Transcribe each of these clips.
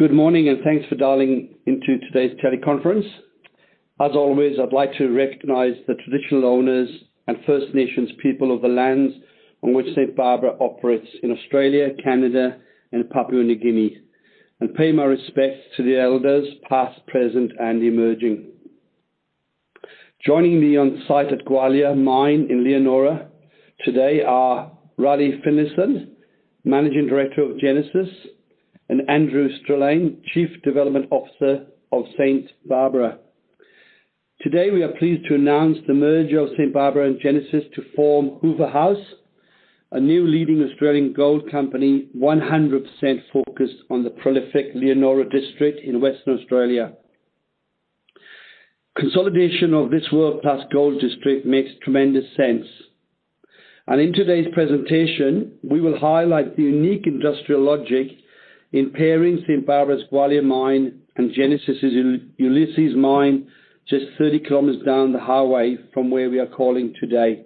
Good morning, thanks for dialing into today's teleconference. As always, I'd like to recognize the traditional owners and First Nations people of the lands on which St Barbara operates in Australia, Canada, and Papua New Guinea, pay my respects to the elders, past, present, and emerging. Joining me on site at Gwalia Mine in Leonora today are Raleigh Finlayson, Managing Director of Genesis, and Andrew Strelein, Chief Development Officer of St Barbara. Today, we are pleased to announce the merger of St Barbara and Genesis to form Hoover House, a new leading Australian gold company, 100% focused on the prolific Leonora district in Western Australia. Consolidation of this world plus gold district makes tremendous sense. In today's presentation, we will highlight the unique industrial logic in pairing St Barbara's Gwalia Mine and Genesis' Ulysses Mine just 30 km down the highway from where we are calling today.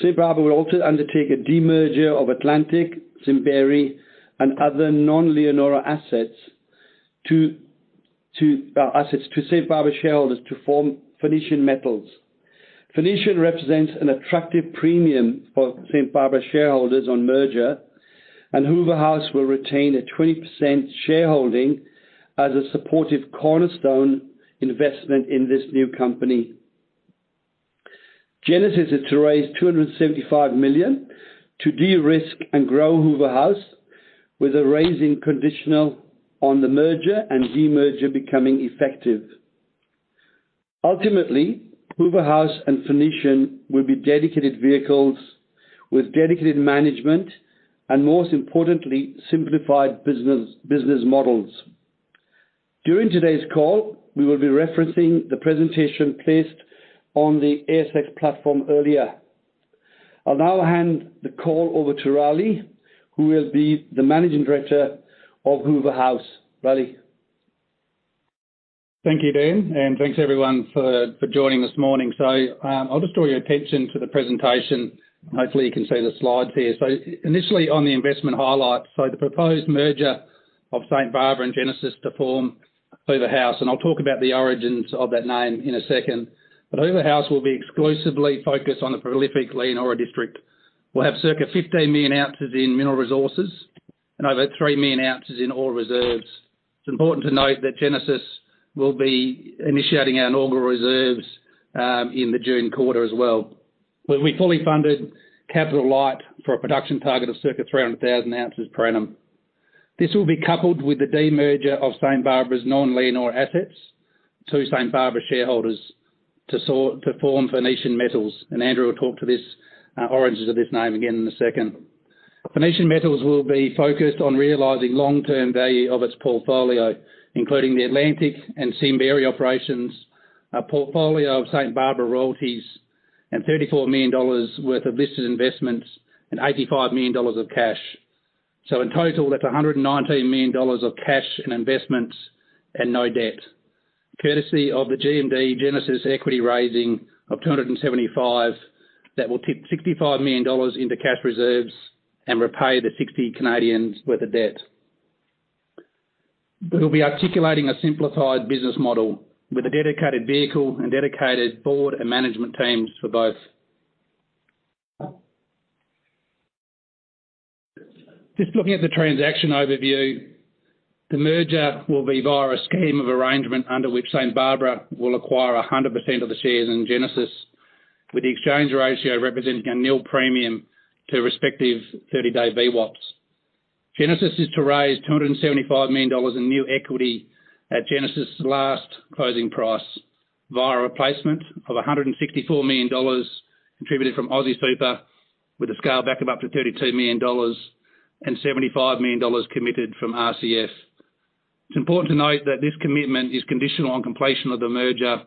St Barbara will also undertake a demerger of Atlantic, Simberi, and other non-Leonora assets to assets to St Barbara shareholders to form Phoenician Metals. Phoenician represents an attractive premium for St Barbara shareholders on merger, and Hoover House will retain a 20% shareholding as a supportive cornerstone investment in this new company. Genesis is to raise 275 million to de-risk and grow Hoover House with a raising conditional on the merger and demerger becoming effective. Ultimately, Hoover House and Phoenician will be dedicated vehicles with dedicated management and, most importantly, simplified business models. During today's call, we will be referencing the presentation placed on the ASX platform earlier. I'll now hand the call over to Raleigh, who will be the Managing Director of Hoover House. Raleigh? Thank you, Dan, and thanks everyone for joining this morning. I'll just draw your attention to the presentation. Hopefully, you can see the slides here. Initially on the investment highlights, the proposed merger of St Barbara and Genesis to form Hoover House, and I'll talk about the origins of that name in a second. Hoover House will be exclusively focused on the prolific Leonora district, will have circa 15 million ounces in Mineral Resources and over 3 million ounces in Ore Reserves. It's important to note that Genesis will be initiating our inaugural reserves in the June quarter as well. We'll be fully funded, capital light for a production target of circa 300,000 ounces per annum. This will be coupled with the demerger of St Barbara's non-Leonora assets to St Barbara shareholders to form Phoenician Metals. Andrew will talk to this origins of this name again in a second. Phoenician Metals will be focused on realizing long-term value of its portfolio, including the Atlantic and Simberi operations, a portfolio of St Barbara royalties, and 34 million dollars worth of listed investments, and 85 million dollars of cash. In total, that's 119 million dollars of cash and investments and no debt. Courtesy of the GMD Genesis equity raising of 275 million, that will tip 65 million dollars into cash reserves and repay the 60 million worth of debt. We will be articulating a simplified business model with a dedicated vehicle and dedicated board and management teams for both. Just looking at the transaction overview, the merger will be via a scheme of arrangement under which St Barbara will acquire 100% of the shares in Genesis, with the exchange ratio representing a nil premium to respective 30-day VWAPs. Genesis is to raise 275 million dollars in new equity at Genesis' last closing price via replacement of 164 million dollars contributed from AustralianSuper, with a scale back of up to 32 million dollars and 75 million dollars committed from RCF. It's important to note that this commitment is conditional on completion of the merger,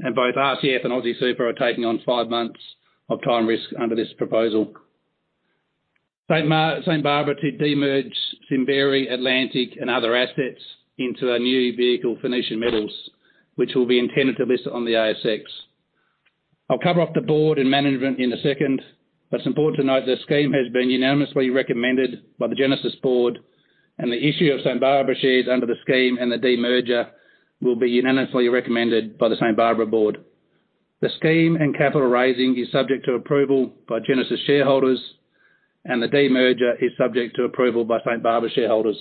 and both RCF and AustralianSuper are taking on five months of time risk under this proposal. St Barbara to demerge Simberi, Atlantic, and other assets into a new vehicle, Phoenician Metals, which will be intended to list on the ASX. I'll cover off the board and management in a second, but it's important to note the scheme has been unanimously recommended by the Genesis board and the issue of St Barbara shares under the scheme and the demerger will be unanimously recommended by the St Barbara board. The scheme and capital raising is subject to approval by Genesis shareholders and the demerger is subject to approval by St Barbara shareholders.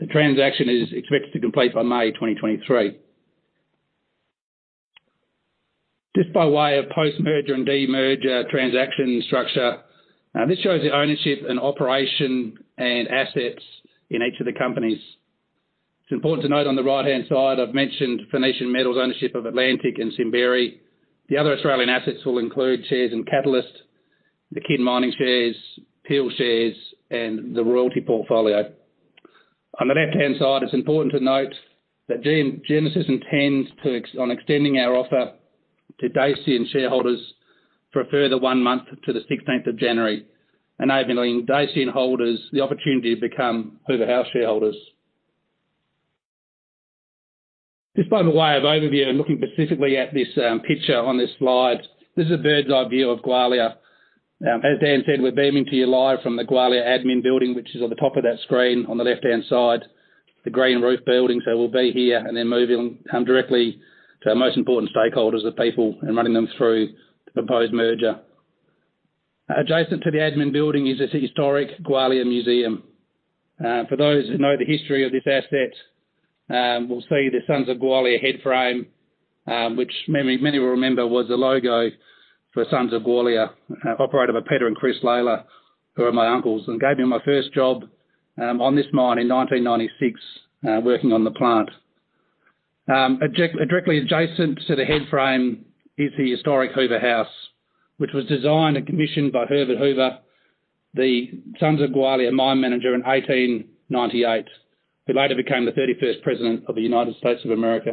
The transaction is expected to complete by May 2023. Just by way of post-merger and demerger transaction structure, this shows the ownership and operation and assets in each of the companies. It's important to note on the right-hand side, I've mentioned Phoenician Metals' ownership of Atlantic and Simberi. The other Australian assets will include shares in Catalyst, the Kin Mining shares, Peel shares, and the royalty portfolio. On the left-hand side, it's important to note that Genesis intends on extending our offer to Dacian shareholders for a further one month to the 16th of January, enabling Dacian shareholders the opportunity to become Hoover House shareholders. Just by way of overview and looking specifically at this picture on this slide. This is a bird's-eye view of Gwalia. As Dan said, we're beaming to you live from the Gwalia admin building, which is on the top of that screen on the left-hand side, the green roof building. We'll be here and then moving directly to our most important stakeholders, the people, and running them through the proposed merger. Adjacent to the admin building is this historic Gwalia Museum. For those who know the history of this asset, will see the Sons of Gwalia headframe, which many will remember was the logo for Sons of Gwalia, operated by Peter and Chris Lalor, who are my uncles, and gave me my first job on this mine in 1996, working on the plant. Directly adjacent to the headframe is the historic Hoover House, which was designed and commissioned by Herbert Hoover, the Sons of Gwalia mine manager in 1898. Who later became the 31st president of the United States of America.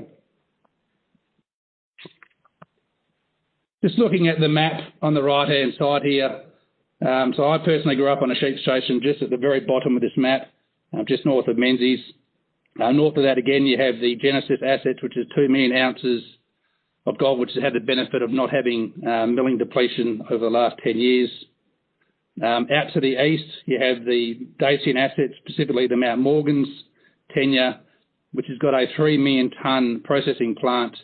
Just looking at the map on the right-hand side here. I personally grew up on a sheep station just at the very bottom of this map, just north of Menzies. North of that, again, you have the Genesis assets, which is 2 million ounces of gold, which has had the benefit of not having milling depletion over the last 10 years. Out to the east, you have the Dacian assets, specifically the Mt Morgans tenure, which has got a 3-million-ton processing plant,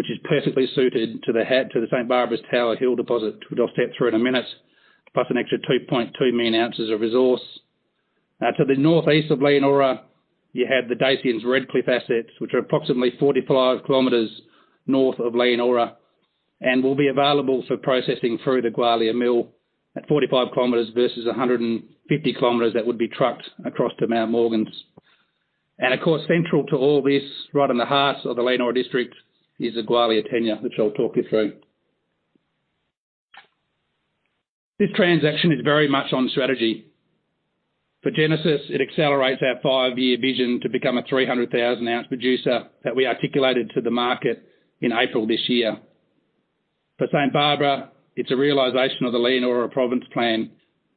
which is perfectly suited to the St Barbara's Tower Hill deposit, which I'll step through in a minute, plus an extra 2.2 million ounces of resource. To the northeast of Leonora, you have the Dacian's Redcliffe assets, which are approximately 45 km north of Leonora, and will be available for processing through the Gwalia Mill at 45 km versus 150 km that would be trucked across to Mt Morgans. Of course, central to all this, right in the heart of the Leonora district, is the Gwalia tenure, which I'll talk you through. This transaction is very much on strategy. For Genesis, it accelerates our five-year vision to become a 300,000 ounce producer that we articulated to the market in April this year. For St Barbara, it's a realization of the Leonora Province Plan,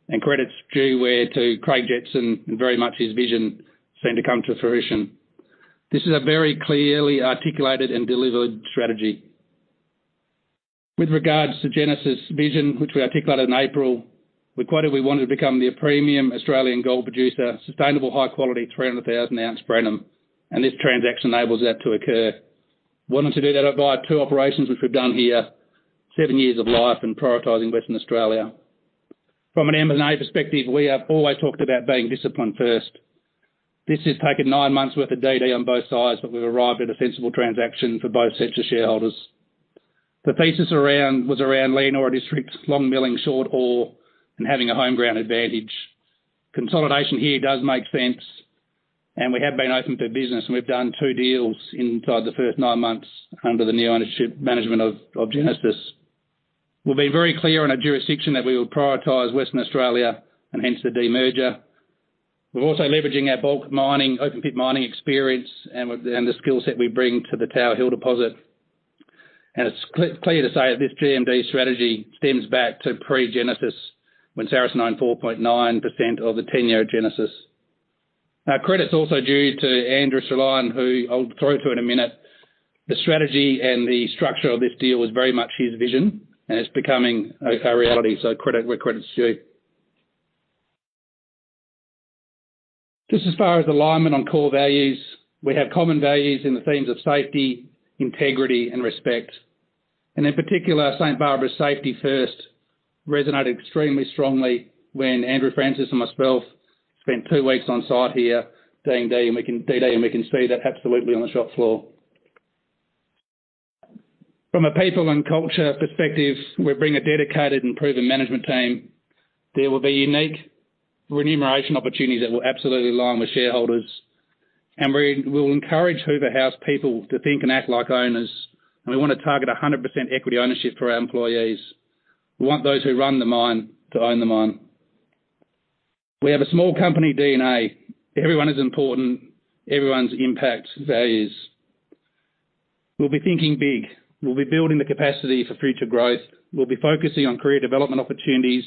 and credit's due where to Craig Jetson and very much his vision soon to come to fruition. This is a very clearly articulated and delivered strategy. With regards to Genesis vision, which we articulated in April, we quoted we wanted to become the premium Australian gold producer, sustainable high quality, 300,000 ounce per annum, and this transaction enables that to occur. Wanted to do that via two operations, which we've done here, seven years of life and prioritizing Western Australia. From an M&A perspective, we have always talked about being disciplined first. This has taken nine months worth of DD on both sides, but we've arrived at a sensible transaction for both sets of shareholders. The thesis around, was around Leonora District, long milling, short ore, and having a home ground advantage. Consolidation here does make sense, and we have been open for business, and we've done two deals inside the first nine months under the new ownership management of Genesis. We'll be very clear in our jurisdiction that we will prioritize Western Australia and hence the demerger. We're also leveraging our bulk mining, open pit mining experience and the skill set we bring to the Tower Hill deposit. It's clear to say that this GMD strategy stems back to pre-Genesis when Saracen owned 4.9% of the tenure Genesis. Credit's also due to Andrew Strelein, who I'll go through in a minute. The strategy and the structure of this deal was very much his vision, and it's becoming a reality, so credit where credit's due. Just as far as alignment on core values, we have common values in the themes of safety, integrity, and respect. In particular, St Barbara's safety first resonated extremely strongly when Andrew Francis and myself spent two weeks on-site here DDing, DD, and we can see that absolutely on the shop floor. From a people and culture perspective, we bring a dedicated and proven management team. There will be unique remuneration opportunities that will absolutely align with shareholders. We'll encourage Hoover House people to think and act like owners, and we want to target a 100% equity ownership for our employees. We want those who run the mine to own the mine. We have a small company DNA. Everyone is important. Everyone's impact varies. We'll be thinking big. We'll be building the capacity for future growth. We'll be focusing on career development opportunities.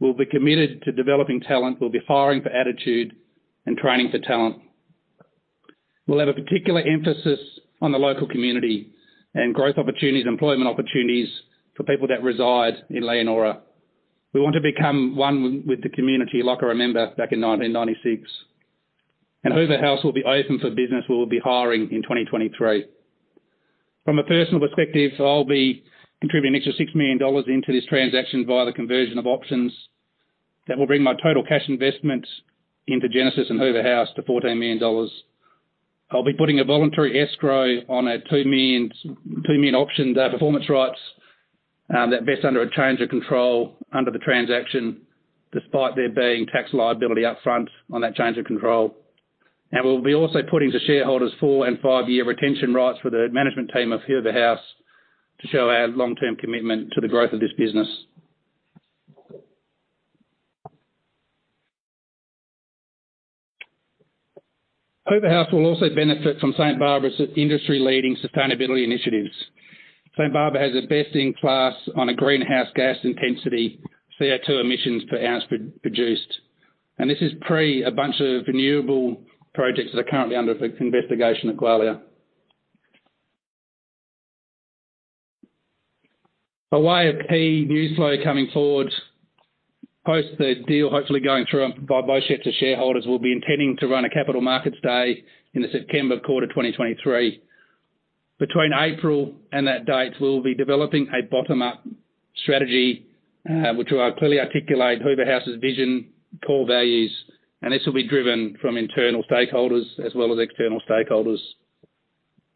We'll be committed to developing talent. We'll be hiring for attitude and training for talent. We'll have a particular emphasis on the local community and growth opportunities, employment opportunities for people that reside in Leonora. We want to become one with the community, like I remember back in 1996. Hoover House will be open for business. We will be hiring in 2023. From a personal perspective, I'll be contributing an extra 6 million dollars into this transaction via the conversion of options. That will bring my total cash investment into Genesis and Hoover House to 14 million dollars. I'll be putting a voluntary escrow on 2 million optioned performance rights that vest under a change of control under the transaction, despite there being tax liability up front on that change of control. We'll be also putting to shareholders 4- and five-year retention rights for the management team of Hoover House to show our long-term commitment to the growth of this business. Hoover House will also benefit from St Barbara's industry-leading sustainability initiatives. St Barbara has a best-in-class on a greenhouse gas intensity, CO2 emissions per ounce pro-produced. This is pre a bunch of renewable projects that are currently under investigation at Gwalia. A way of key news flow coming forward, post the deal hopefully going through by both sets of shareholders will be intending to run a capital markets day in the September quarter of 2023. Between April and that date, we'll be developing a bottom-up strategy, which will clearly articulate Hoover House's vision, core values, and this will be driven from internal stakeholders as well as external stakeholders.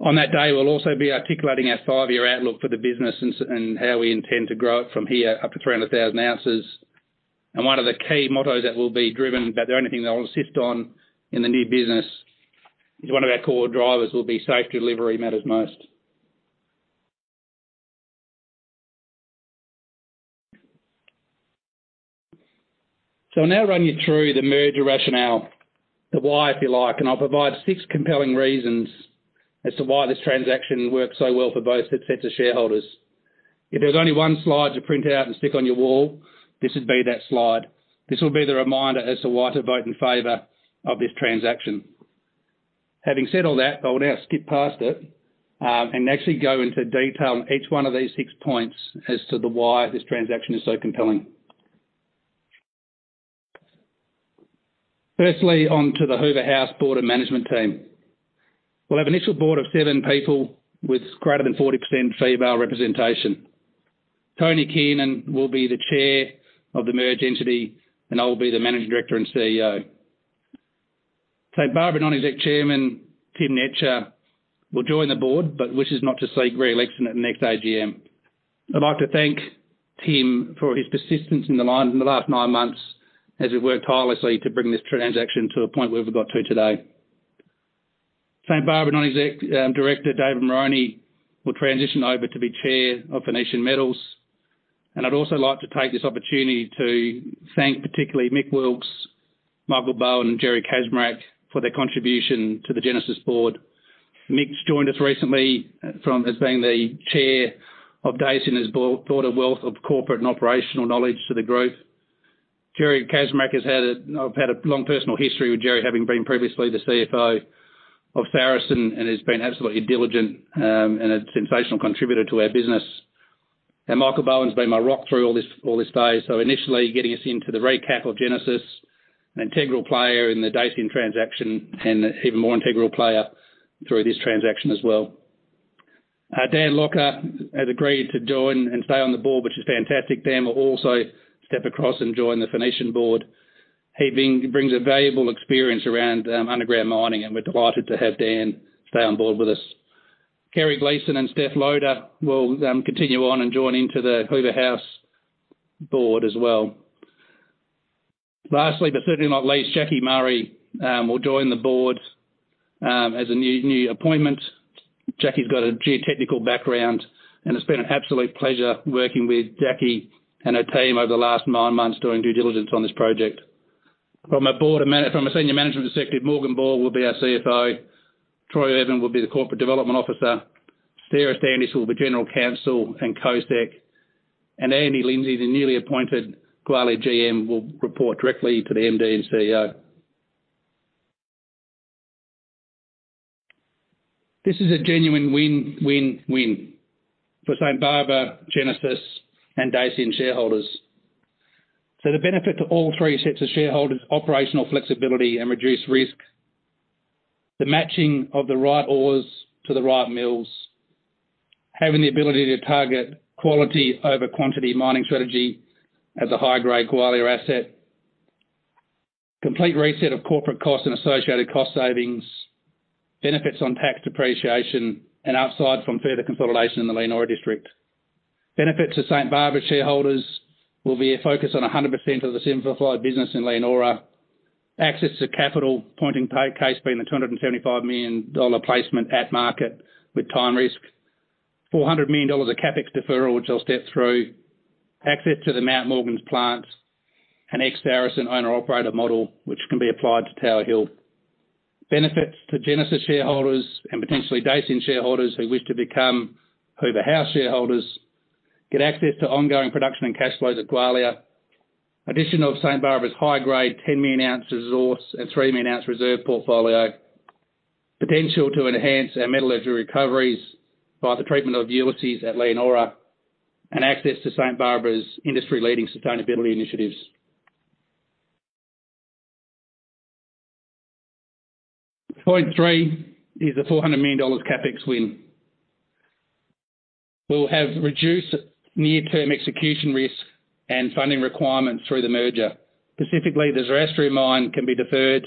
On that day, we'll also be articulating our five-year outlook for the business and how we intend to grow it from here up to 300,000 ounces. One of the key mottos that will be driven, but the only thing that I'll insist on in the new business is one of our core drivers will be safe delivery matters most. I'll now run you through the merger rationale, the why, if you like, and I'll provide six compelling reasons as to why this transaction works so well for both the sets of shareholders. If there's only one slide to print out and stick on your wall, this would be that slide. This will be the reminder as to why to vote in favor of this transaction. Having said all that, I will now skip past it and actually go into detail on each one of these six points as to the why this transaction is so compelling. Firstly, on to the Hoover House board of management team. We'll have initial board of seven people with greater than 40% female representation. Tony Kiernan will be the Chair of the merged entity, and I will be the Managing Director and CEO. St Barbara Non-Executive Chairman, Tim Netscher, will join the board, but wishes not to seek re-election at the next AGM. I'd like to thank Tim for his persistence in the last nine months as he worked tirelessly to bring this transaction to a point where we've got to today. St Barbara Non-Executive Director, David Moroney, will transition over to be Chair of Phoenician Metals. I'd also like to take this opportunity to thank particularly Mick Wilkes, Michael Bowen, and Gerry Kaczmarek for their contribution to the Genesis board. Mick's joined us recently from as being the Chair of Dacian, has brought a wealth of corporate and operational knowledge to the group. Gerry Kaczmarek has had a long personal history with Gerry, having been previously the CFO of Saracen and has been absolutely diligent and a sensational contributor to our business. Michael Bowen's been my rock through all this day. Initially, getting us into the re-capital Genesis, an integral player in the Dacian transaction, and even more integral player through this transaction as well. Dan Lougher has agreed to join and stay on the board, which is fantastic. Dan will also step across and join the Phoenician board. He brings a valuable experience around underground mining. We're delighted to have Dan stay on board with us. Kerry Gleeson and Stef Loader will continue on and join into the Hoover House board as well. Lastly, certainly not least, Jacqui Murray will join the board as a new appointment. Jacqui's got a geotechnical background. It's been an absolute pleasure working with Jacqui and her team over the last nine months during due diligence on this project. From a senior management perspective, Morgan Ball will be our CFO, Troy Irvin will be the corporate development officer, Sarah Standish will be general counsel and COSEC. Andy Lindsey, the newly appointed Gwalia GM, will report directly to the MD and CEO. This is a genuine win, win for St Barbara, Genesis, and Dacian shareholders. The benefit to all three sets of shareholders, operational flexibility and reduced risk, the matching of the right ores to the right mills, having the ability to target quality over quantity mining strategy as a high-grade Gwalia asset, complete reset of corporate costs and associated cost savings, benefits on tax depreciation, and upside from further consolidation in the Leonora district. Benefits to St Barbara shareholders will be a focus on 100% of the simplified business in Leonora, access to capital, pointing case being the 275 million dollar placement at market with time risk, 400 million dollars of CapEx deferral, which I'll step through, access to the Mt Morgans plants, an ex-Saracen owner-operator model, which can be applied to Tower Hill. Benefits to Genesis shareholders and potentially Dacian shareholders who wish to become Hoover House shareholders get access to ongoing production and cash flows at Gwalia. Addition of St Barbara's high-grade 10 million ounce resource and 3 million ounce reserve portfolio. Potential to enhance our metallurgy recoveries by the treatment of Ulysses at Leonora. Access to St Barbara's industry-leading sustainability initiatives. Point three is an 400 million dollars CapEx win. We'll have reduced near-term execution risk and funding requirements through the merger. Specifically, the Ulysses mine can be deferred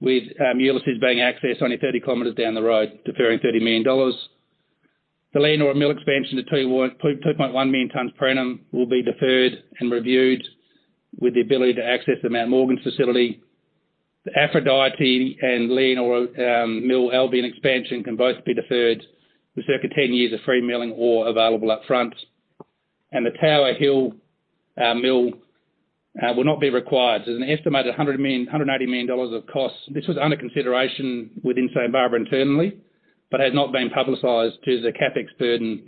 with Ulysses being accessed only 30 km down the road, deferring 30 million dollars. The Leonora mill expansion to 2.1 million tons per annum will be deferred and reviewed with the ability to access the Mt Morgans facility. The Aphrodite and Leonora mill Albion Process expansion can both be deferred with circa 10 years of free milling ore available up front. The Tower Hill mill will not be required. There's an estimated 180 million of costs. This was under consideration within St Barbara internally, but has not been publicized to the CapEx burden.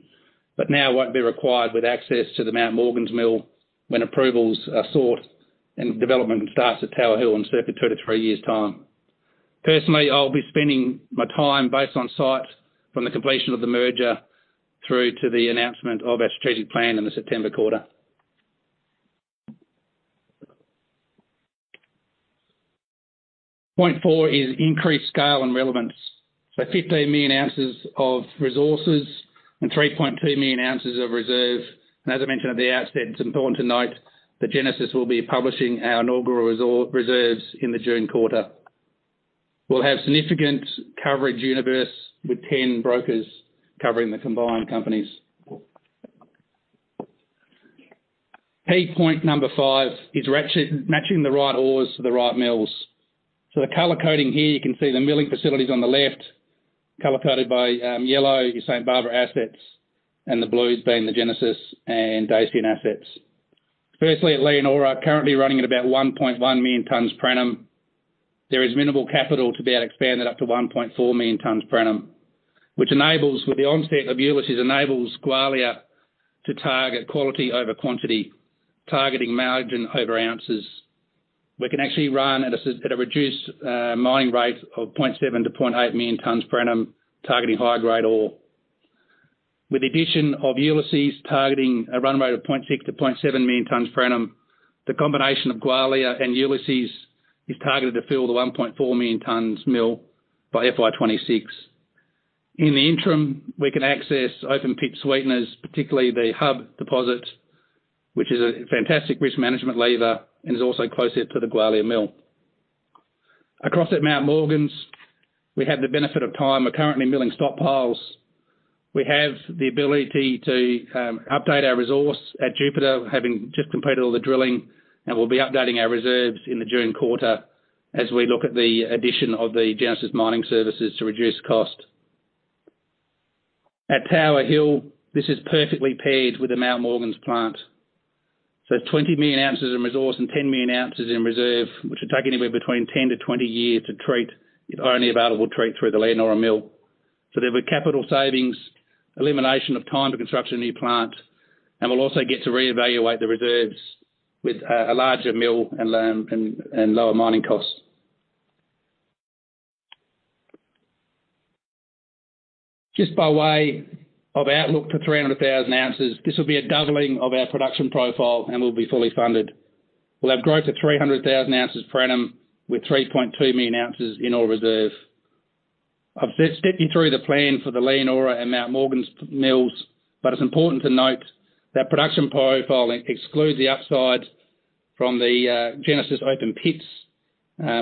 Now won't be required with access to the Mt Morgans Mill when approvals are sought and development starts at Tower Hill in sort of 2-3 years' time. Personally, I'll be spending my time based on site from the completion of the merger through to the announcement of our strategic plan in the September quarter. Point four is increased scale and relevance. 15 million ounces of Mineral Resources and 3.2 million ounces of Ore Reserves. As I mentioned at the outset, it's important to note that Genesis will be publishing our inaugural reserves in the June quarter. We'll have significant coverage universe with 10 brokers covering the combined companies. Key point number 5 is matching the right ores to the right mills. The color coding here, you can see the milling facilities on the left, color-coded by yellow, your St Barbara assets, and the blues being the Genesis and Dacian assets. Firstly, at Leonora, currently running at about 1.1 million tons per annum. There is minimal capital to be able to expand that up to 1.4 million tons per annum, which enables, with the onset of Ulysses, enables Gwalia to target quality over quantity, targeting margin over ounces. We can actually run at a reduced mining rate of 0.7 to 0.8 million tons per annum, targeting high-grade ore. With the addition of Ulysses targeting a run rate of 0.6 to 0.7 million tons per annum, the combination of Gwalia and Ulysses is targeted to fill the 1.4 million tons mill by FY2026. In the interim, we can access open pit sweeteners, particularly the Hub deposit, which is a fantastic risk management lever and is also closer to the Gwalia Mill. Across at Mt Morgans, we have the benefit of time. We're currently milling stockpiles. We have the ability to update our resource at Jupiter, having just completed all the drilling, and we'll be updating our reserves in the June quarter as we look at the addition of the Genesis Mining Services to reduce cost. At Tower Hill, this is perfectly paired with the Mt Morgans plant. 20 million ounces in resource and 10 million ounces in reserve, which would take anywhere between 10-20 years to treat if only available to treat through the Leonora Mill. There'll be capital savings, elimination of time to construct a new plant, and we'll also get to reevaluate the reserves with a larger mill and lower mining costs. Just by way of outlook for 300,000 ounces, this will be a doubling of our production profile and will be fully funded. We'll have growth to 300,000 ounces per annum with 3.2 million ounces in ore reserve. I've stepped you through the plan for the Leonora and Mt Morgans Mills, it's important to note that production profiling excludes the upside from the Genesis open pits,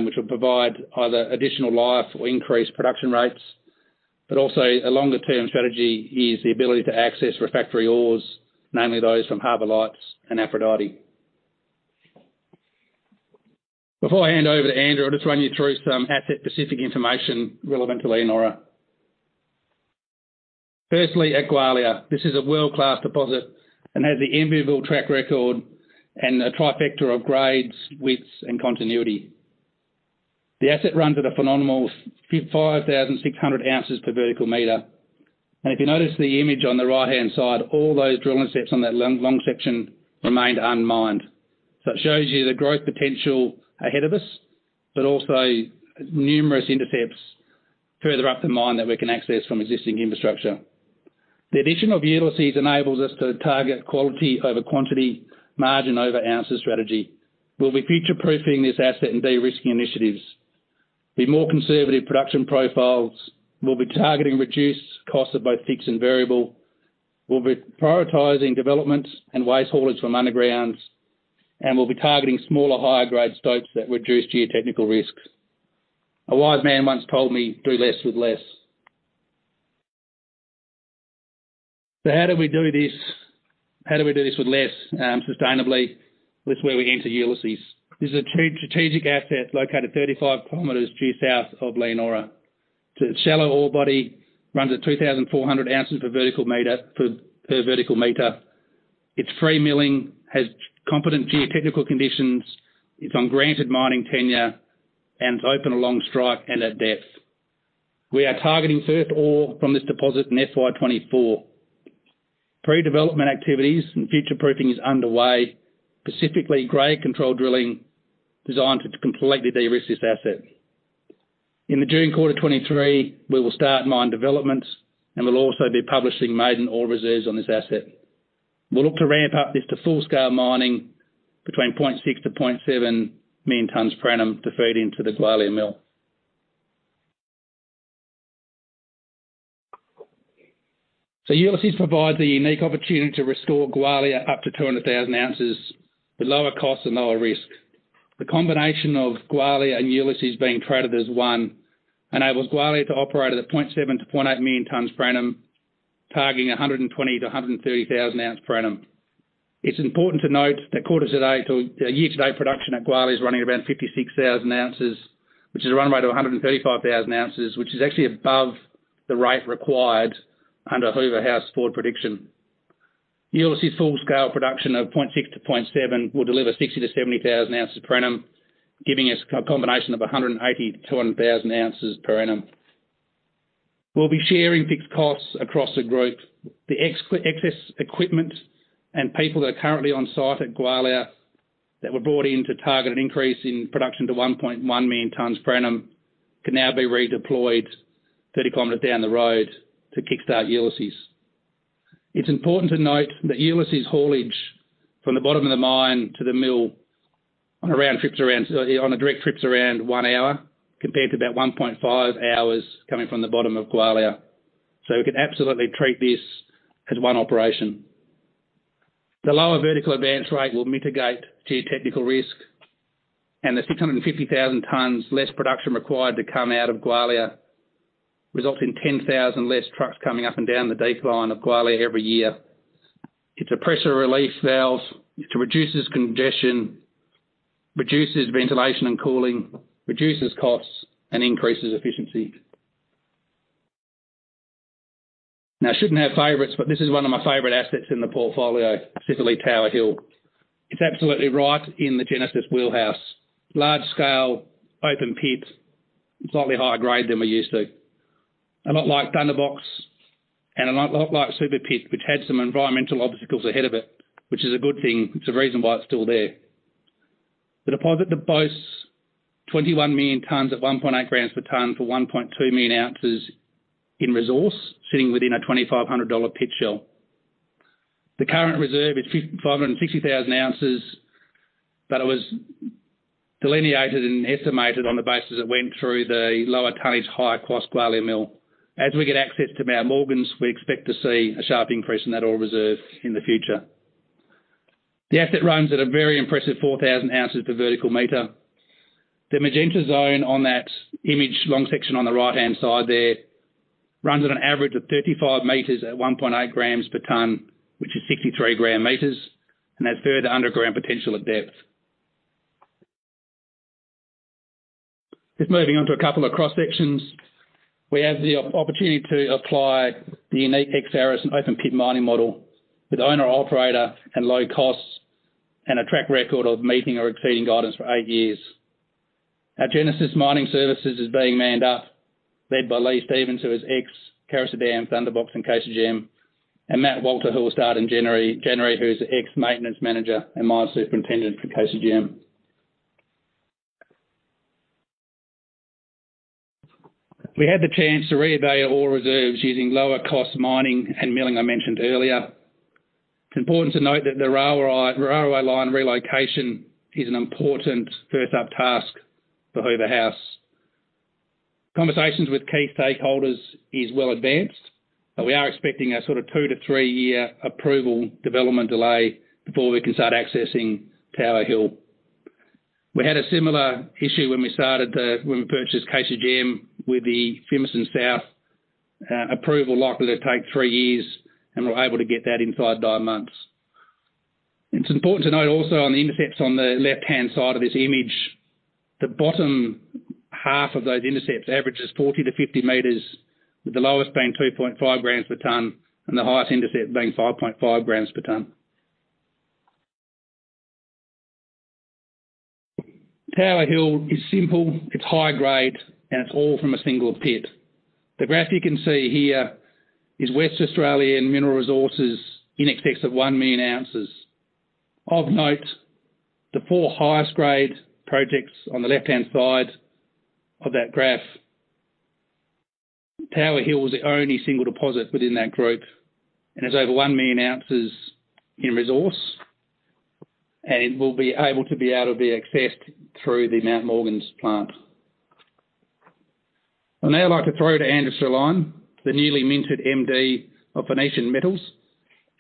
which will provide either additional life or increased production rates. Also a longer-term strategy is the ability to access refractory ores, namely those from Harbor Lights and Aphrodite. Before I hand over to Andrew, I'll just run you through some asset-specific information relevant to Leonora. Firstly, at Gwalia, this is a world-class deposit and has the enviable track record and a trifecta of grades, widths, and continuity. The asset runs at a phenomenal 5,600 ounces per vertical meter. If you notice the image on the right-hand side, all those drilling sets on that long section remained unmined. It shows you the growth potential ahead of us, but also numerous intercepts further up the mine that we can access from existing infrastructure. The addition of Ulysses enables us to target quality over quantity, margin over ounces strategy. We'll be future-proofing this asset and de-risking initiatives. The more conservative production profiles will be targeting reduced costs of both fixed and variable. We'll be prioritizing developments and waste haulage from underground, and we'll be targeting smaller, higher-grade stopes that reduce geotechnical risks. A wise man once told me, do less with less. How do we do this with less sustainably? This is where we enter Ulysses. This is a two strategic asset located 35 km due south of Leonora. It's a shallow ore body, runs at 2,400 ounces per vertical meter. It's free milling, has competent geotechnical conditions. It's on granted mining tenure and it's open along strike and at depth. We are targeting first ore from this deposit in FY 2024. Pre-development activities and future-proofing is underway, specifically grade control drilling designed to completely de-risk this asset. In the June quarter 2023, we will start mine developments, and we'll also be publishing maiden Ore Reserves on this asset. We'll look to ramp up this to full-scale mining between 0.6-0.7 million tons per annum to feed into the Gwalia Mill. Ulysses provides a unique opportunity to restore Gwalia up to 200,000 ounces with lower cost and lower risk. The combination of Gwalia and Ulysses being treated as one enables Gwalia to operate at a 0.7-0.8 million tons per annum, targeting 120,000-130,000 ounce per annum. It's important to note that quarter-to-date or year-to-date production at Gwalia is running around 56,000 ounces, which is a run rate of 135,000 ounces, which is actually above the rate required under Hoover House forward prediction. Ulysses full scale production of 0.6-0.7 will deliver 60,000-70,000 ounce per annum, giving us a combination of 180,000-200,000 ounces per annum. We'll be sharing fixed costs across the group. The excess equipment and people that are currently on site at Gwalia that were brought in to target an increase in production to 1.1 million tons per annum can now be redeployed 30 km down the road to kickstart Ulysses. It's important to note that Ulysses' haulage from the bottom of the mine to the mill on a round trip's around 1 hour compared to about 1.5 hours coming from the bottom of Gwalia. We can absolutely treat this as one operation. The lower vertical advance rate will mitigate geotechnical risk, and the 650,000 tons less production required to come out of Gwalia results in 10,000 less trucks coming up and down the decline of Gwalia every year. It's a pressure relief valve, it reduces congestion, reduces ventilation and cooling, reduces costs, and increases efficiency. Shouldn't have favorites, but this is one of my favorite assets in the portfolio, specifically Tower Hill. It's absolutely right in the Genesis wheelhouse. Large scale, open pit, slightly higher grade than we're used to. A lot like Thunderbox, and a lot like Super Pit, which had some environmental obstacles ahead of it, which is a good thing. It's the reason why it's still there. The deposit boasts 21 million tons at 1.8 grams per ton, for 1.2 million ounces in resource, sitting within an 2,500 dollar pit shell. The current reserve is 560,000 ounces, but it was delineated and estimated on the basis it went through the lower tonnage, higher cost Gwalia mill. As we get access to Mt Morgans, we expect to see a sharp increase in that ore reserve in the future. The asset runs at a very impressive 4,000 ounces per vertical meter. The magenta zone on that image, long section on the right-hand side there, runs at an average of 35 m at 1.8 grams per ton, which is 63 gram/m, and has further underground potential at depth. Just moving on to a couple of cross-sections. We have the opportunity to apply the unique ex-Saracen open pit mining model with owner-operator and low costs, a track record of meeting or exceeding guidance for eight years. Our Genesis Mining Services is being manned up, led by Lee Stephens, who is ex-Carosue Dam, Thunderbox and KCGM, Matt Walter, who will start in January, who's ex-maintenance manager and mine superintendent for KCGM. We had the chance to reevaluate Ore Reserves using lower cost mining and milling I mentioned earlier. It's important to note that the railway line relocation is an important first up task for Hoover House. Conversations with key stakeholders is well advanced, we are expecting a sort of 2-3-year approval development delay before we can start accessing Tower Hill. We had a similar issue when we started when we purchased KCGM with the Fimiston South approval likely to take three years, we were able to get that inside nine months. It's important to note also on the intercepts on the left-hand side of this image, the bottom half of those intercepts averages 40 m-50 m, with the lowest being 2.5 grams per ton and the highest intercept being 5.5 grams per ton. Tower Hill is simple, it's high grade, it's all from a single pit. The graph you can see here is West Australian Mineral Resources in excess of 1 million ounces. Of note, the four highest grade projects on the left-hand side of that graph. Tower Hill was the only single deposit within that group and has over 1 million ounces in resource, and will be able to be accessed through the Mt Morgans plant. I'd now like to throw to Andrew Strelein, the newly minted MD of Phoenician Metals.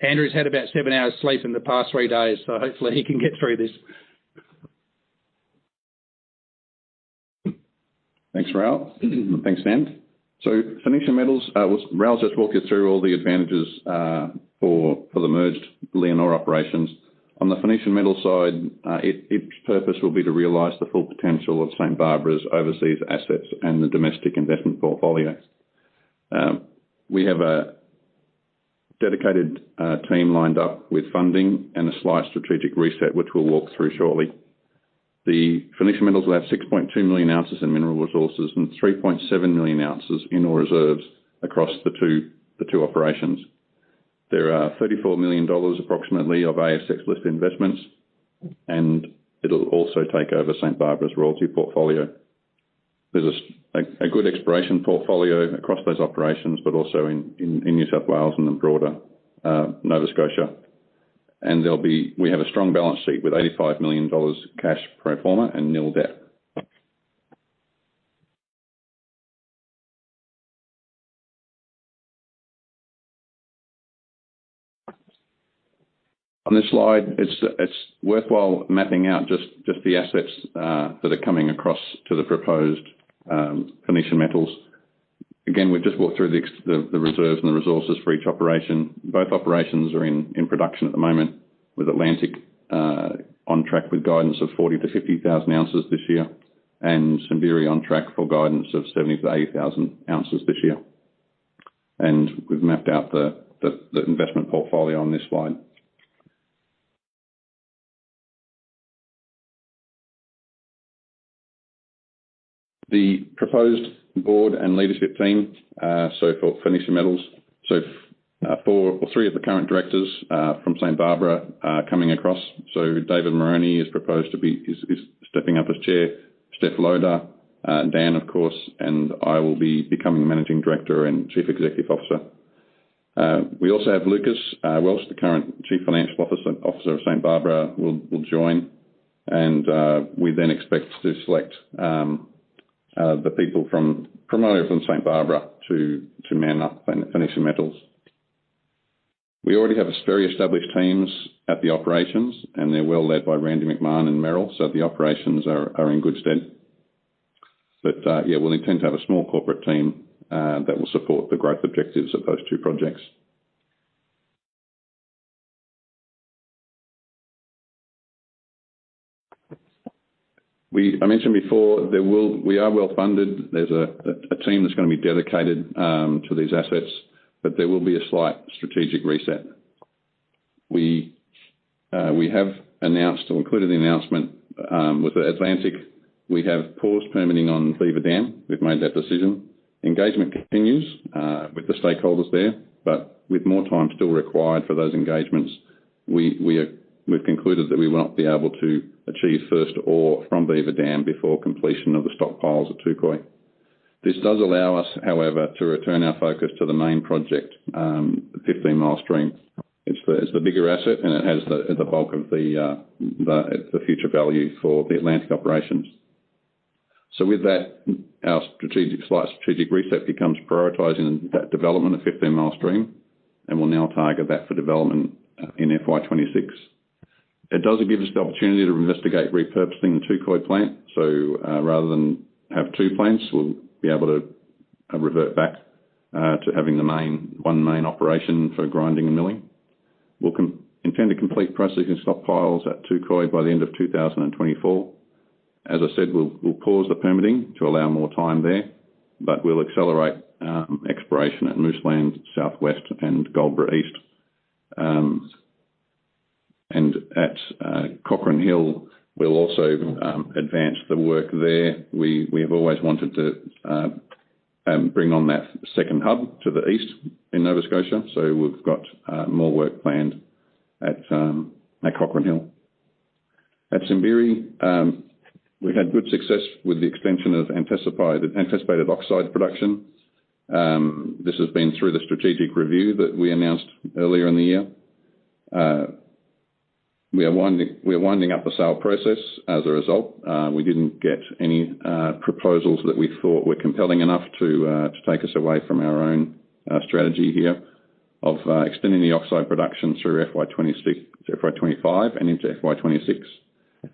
Andrew's had about seven hours sleep in the past three days. Hopefully he can get through this. Thanks, Ral. Thanks, Dan. Phoenician Metals, Ral's just walked you through all the advantages for the merged Leonora operations. On the Phoenician Metals side, its purpose will be to realize the full potential of St Barbara's overseas assets and the domestic investment portfolio. We have a dedicated team lined up with funding and a slight strategic reset, which we'll walk through shortly. The Phoenician Metals will have 6.2 million ounces in Mineral Resources and 3.7 million ounces in Ore Reserves across the two operations. There are 34 million dollars approximately of ASX-listed investments, and it'll also take over St Barbara's royalty portfolio. There's a good exploration portfolio across those operations, but also in New South Wales and the broader Nova Scotia. There'll be... We have a strong balance sheet with $85 million cash pro forma and nil debt. On this slide, it's worthwhile mapping out just the assets that are coming across to the proposed Phoenician Metals. We've just walked through the reserves and the resources for each operation. Both operations are in production at the moment with Atlantic on track with guidance of 40,000-50,000 ounces this year. Simberi on track for guidance of 70,000-80,000 ounces this year. We've mapped out the investment portfolio on this slide. The proposed board and leadership team, so for Phoenician Metals, four or three of the current directors from St Barbara are coming across. David Moroney is stepping up as Chair, Stef Loader, Dan, of course, and I will be becoming Managing Director and Chief Executive Officer. We also have Lucas Welsh, the current Chief Financial Officer of St Barbara will join. We then expect to select the people from, primarily from St Barbara to man up Phoenician Metals. We already have a very established teams at the operations, and they're well led by Randy McMahon, so the operations are in good stead. We'll intend to have a small corporate team that will support the growth objectives of those two projects. I mentioned before, we are well-funded. There's a team that's gonna be dedicated to these assets, but there will be a slight strategic reset. We have announced or included the announcement with the Atlantic, we have paused permitting on Beaver Dam. We've made that decision. Engagement continues with the stakeholders there, with more time still required for those engagements, we've concluded that we will not be able to achieve first ore from Beaver Dam before completion of the stockpiles at Touquoy. This does allow us, however, to return our focus to the main project, Fifteen Mile Stream. It's the bigger asset, it has the bulk of the future value for the Atlantic operations. With that, our slight strategic reset becomes prioritizing that development of Fifteen Mile Stream, we'll now target that for development in FY 2026. It does give us the opportunity to investigate repurposing the Touquoy plant. Rather than have 2 plants, we'll be able to revert back to having the main, 1 main operation for grinding and milling. We'll intend to complete processing stockpiles at Touquoy by the end of 2024. As I said, we'll pause the permitting to allow more time there, but we'll accelerate exploration at Mooseland South-West and Goldboro East. And at Cochrane Hill, we'll also advance the work there. We have always wanted to bring on that second hub to the east in Nova Scotia, so we've got more work planned at Cochrane Hill. At Simberi, we've had good success with the extension of anticipated oxide production. This has been through the strategic review that we announced earlier in the year. We are winding up the sale process as a result. We didn't get any proposals that we thought were compelling enough to take us away from our own strategy here of extending the oxide production through FY 2025 and into FY 2026.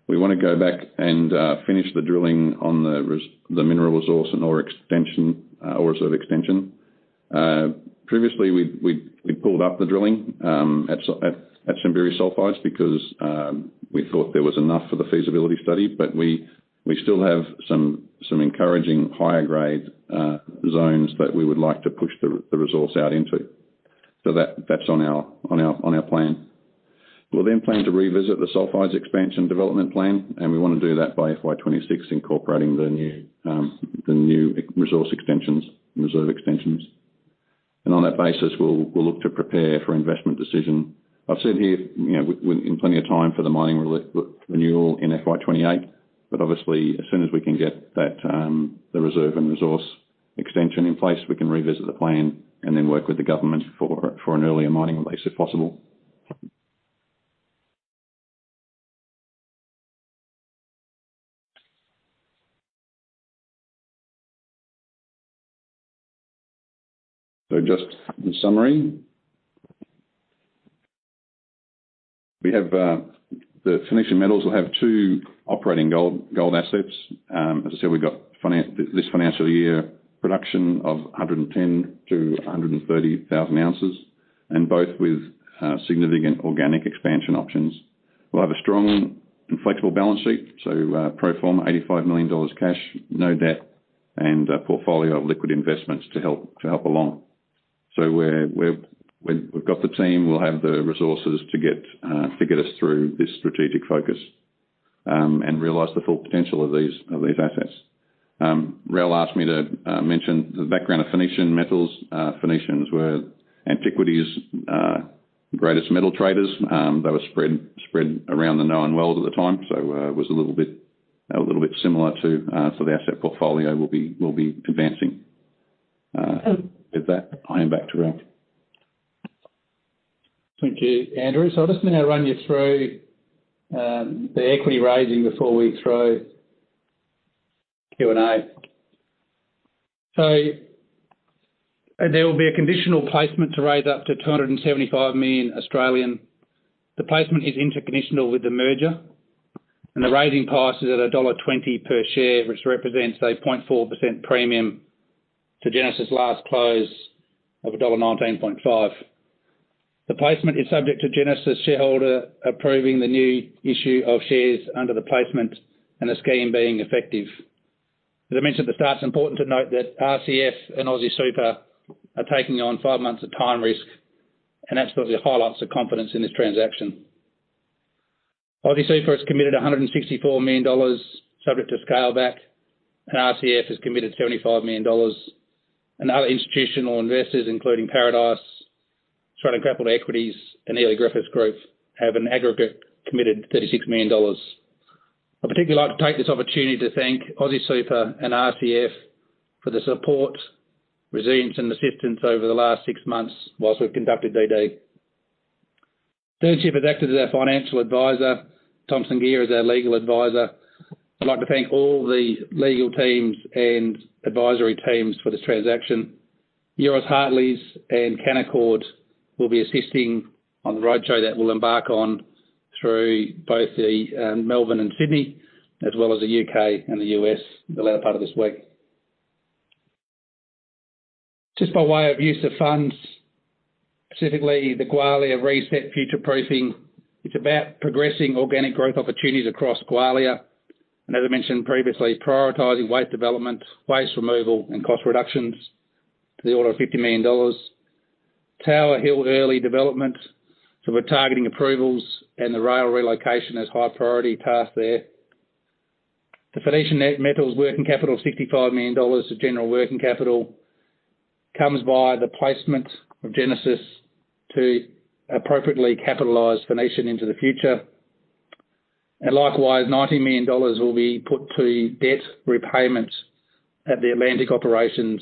We wanna go back and finish the drilling on the Mineral Resources and Ore Reserves extension. Previously, we pulled up the drilling at Simberi Sulfides because we thought there was enough for the feasibility study, but we still have some encouraging higher grade zones that we would like to push the resource out into. That's on our plan. We'll plan to revisit the sulfides expansion development plan, and we wanna do that by FY 2026, incorporating the new resource extensions and reserve extensions. On that basis, we'll look to prepare for investment decision. I've said here, you know, in plenty of time for the mining renewal in FY 2028, obviously, as soon as we can get that, the reserve and resource extension in place, we can revisit the plan and then work with the government for an earlier mining release if possible. Just in summary. We have the Phoenician Metals will have two operating gold assets. As I said, we've got this financial year, production of 110,000 - 130,000 ounces, both with significant organic expansion options. We'll have a strong and flexible balance sheet, so pro forma, 85 million dollars cash, no debt, and a portfolio of liquid investments to help along. We've got the team, we'll have the resources to get us through this strategic focus, and realize the full potential of these assets. Ral asked me to mention the background of Phoenician Metals. Phoenicians were antiquity's greatest metal traders. They were spread around the known world at the time. Was a little bit similar to the asset portfolio we'll be advancing. With that, I am back to Raleigh. Thank you, Andrew. I'll just now run you through the equity raising before we throw Q&A. There will be a conditional placement to raise up to 275 million. The placement is interconditional with the merger, and the raising price is at dollar 1.20 per share, which represents a 0.4% premium to Genesis' last close of dollar 1.195. The placement is subject to Genesis shareholder approving the new issue of shares under the placement and the scheme being effective. As I mentioned at the start, it's important to note that RCF and AustralianSuper are taking on five months of time risk. That's because we have high levels of confidence in this transaction. AustralianSuper has committed 164 million dollars subject to scale back. RCF has committed 75 million dollars. Other institutional investors, including Paradice, Australian Capital Equity, and Eley Griffiths Group, have an aggregate committed 36 million dollars. I'd particularly like to take this opportunity to thank AustralianSuper and RCF for the support, resilience, and assistance over the last six months whilst we've conducted DD. Macquarie Capital has acted as our financial advisor. Thomson Geer is our legal advisor. I'd like to thank all the legal teams and advisory teams for this transaction. Euroz Hartleys and Canaccord will be assisting on the roadshow that we'll embark on through both Melbourne and Sydney, as well as the U.K. and the U.S. the latter part of this week. Just by way of use of funds, specifically the Gwalia reset future-proofing, it's about progressing organic growth opportunities across Gwalia. As I mentioned previously, prioritizing waste development, waste removal, and cost reductions to the order of 50 million dollars. Tower Hill early development. We're targeting approvals, and the rail relocation is high priority task there. The Phoenician Metals working capital, 65 million dollars of general working capital comes via the placement of Genesis to appropriately capitalize Phoenician into the future. Likewise, 90 million dollars will be put to debt repayments at the Atlantic operations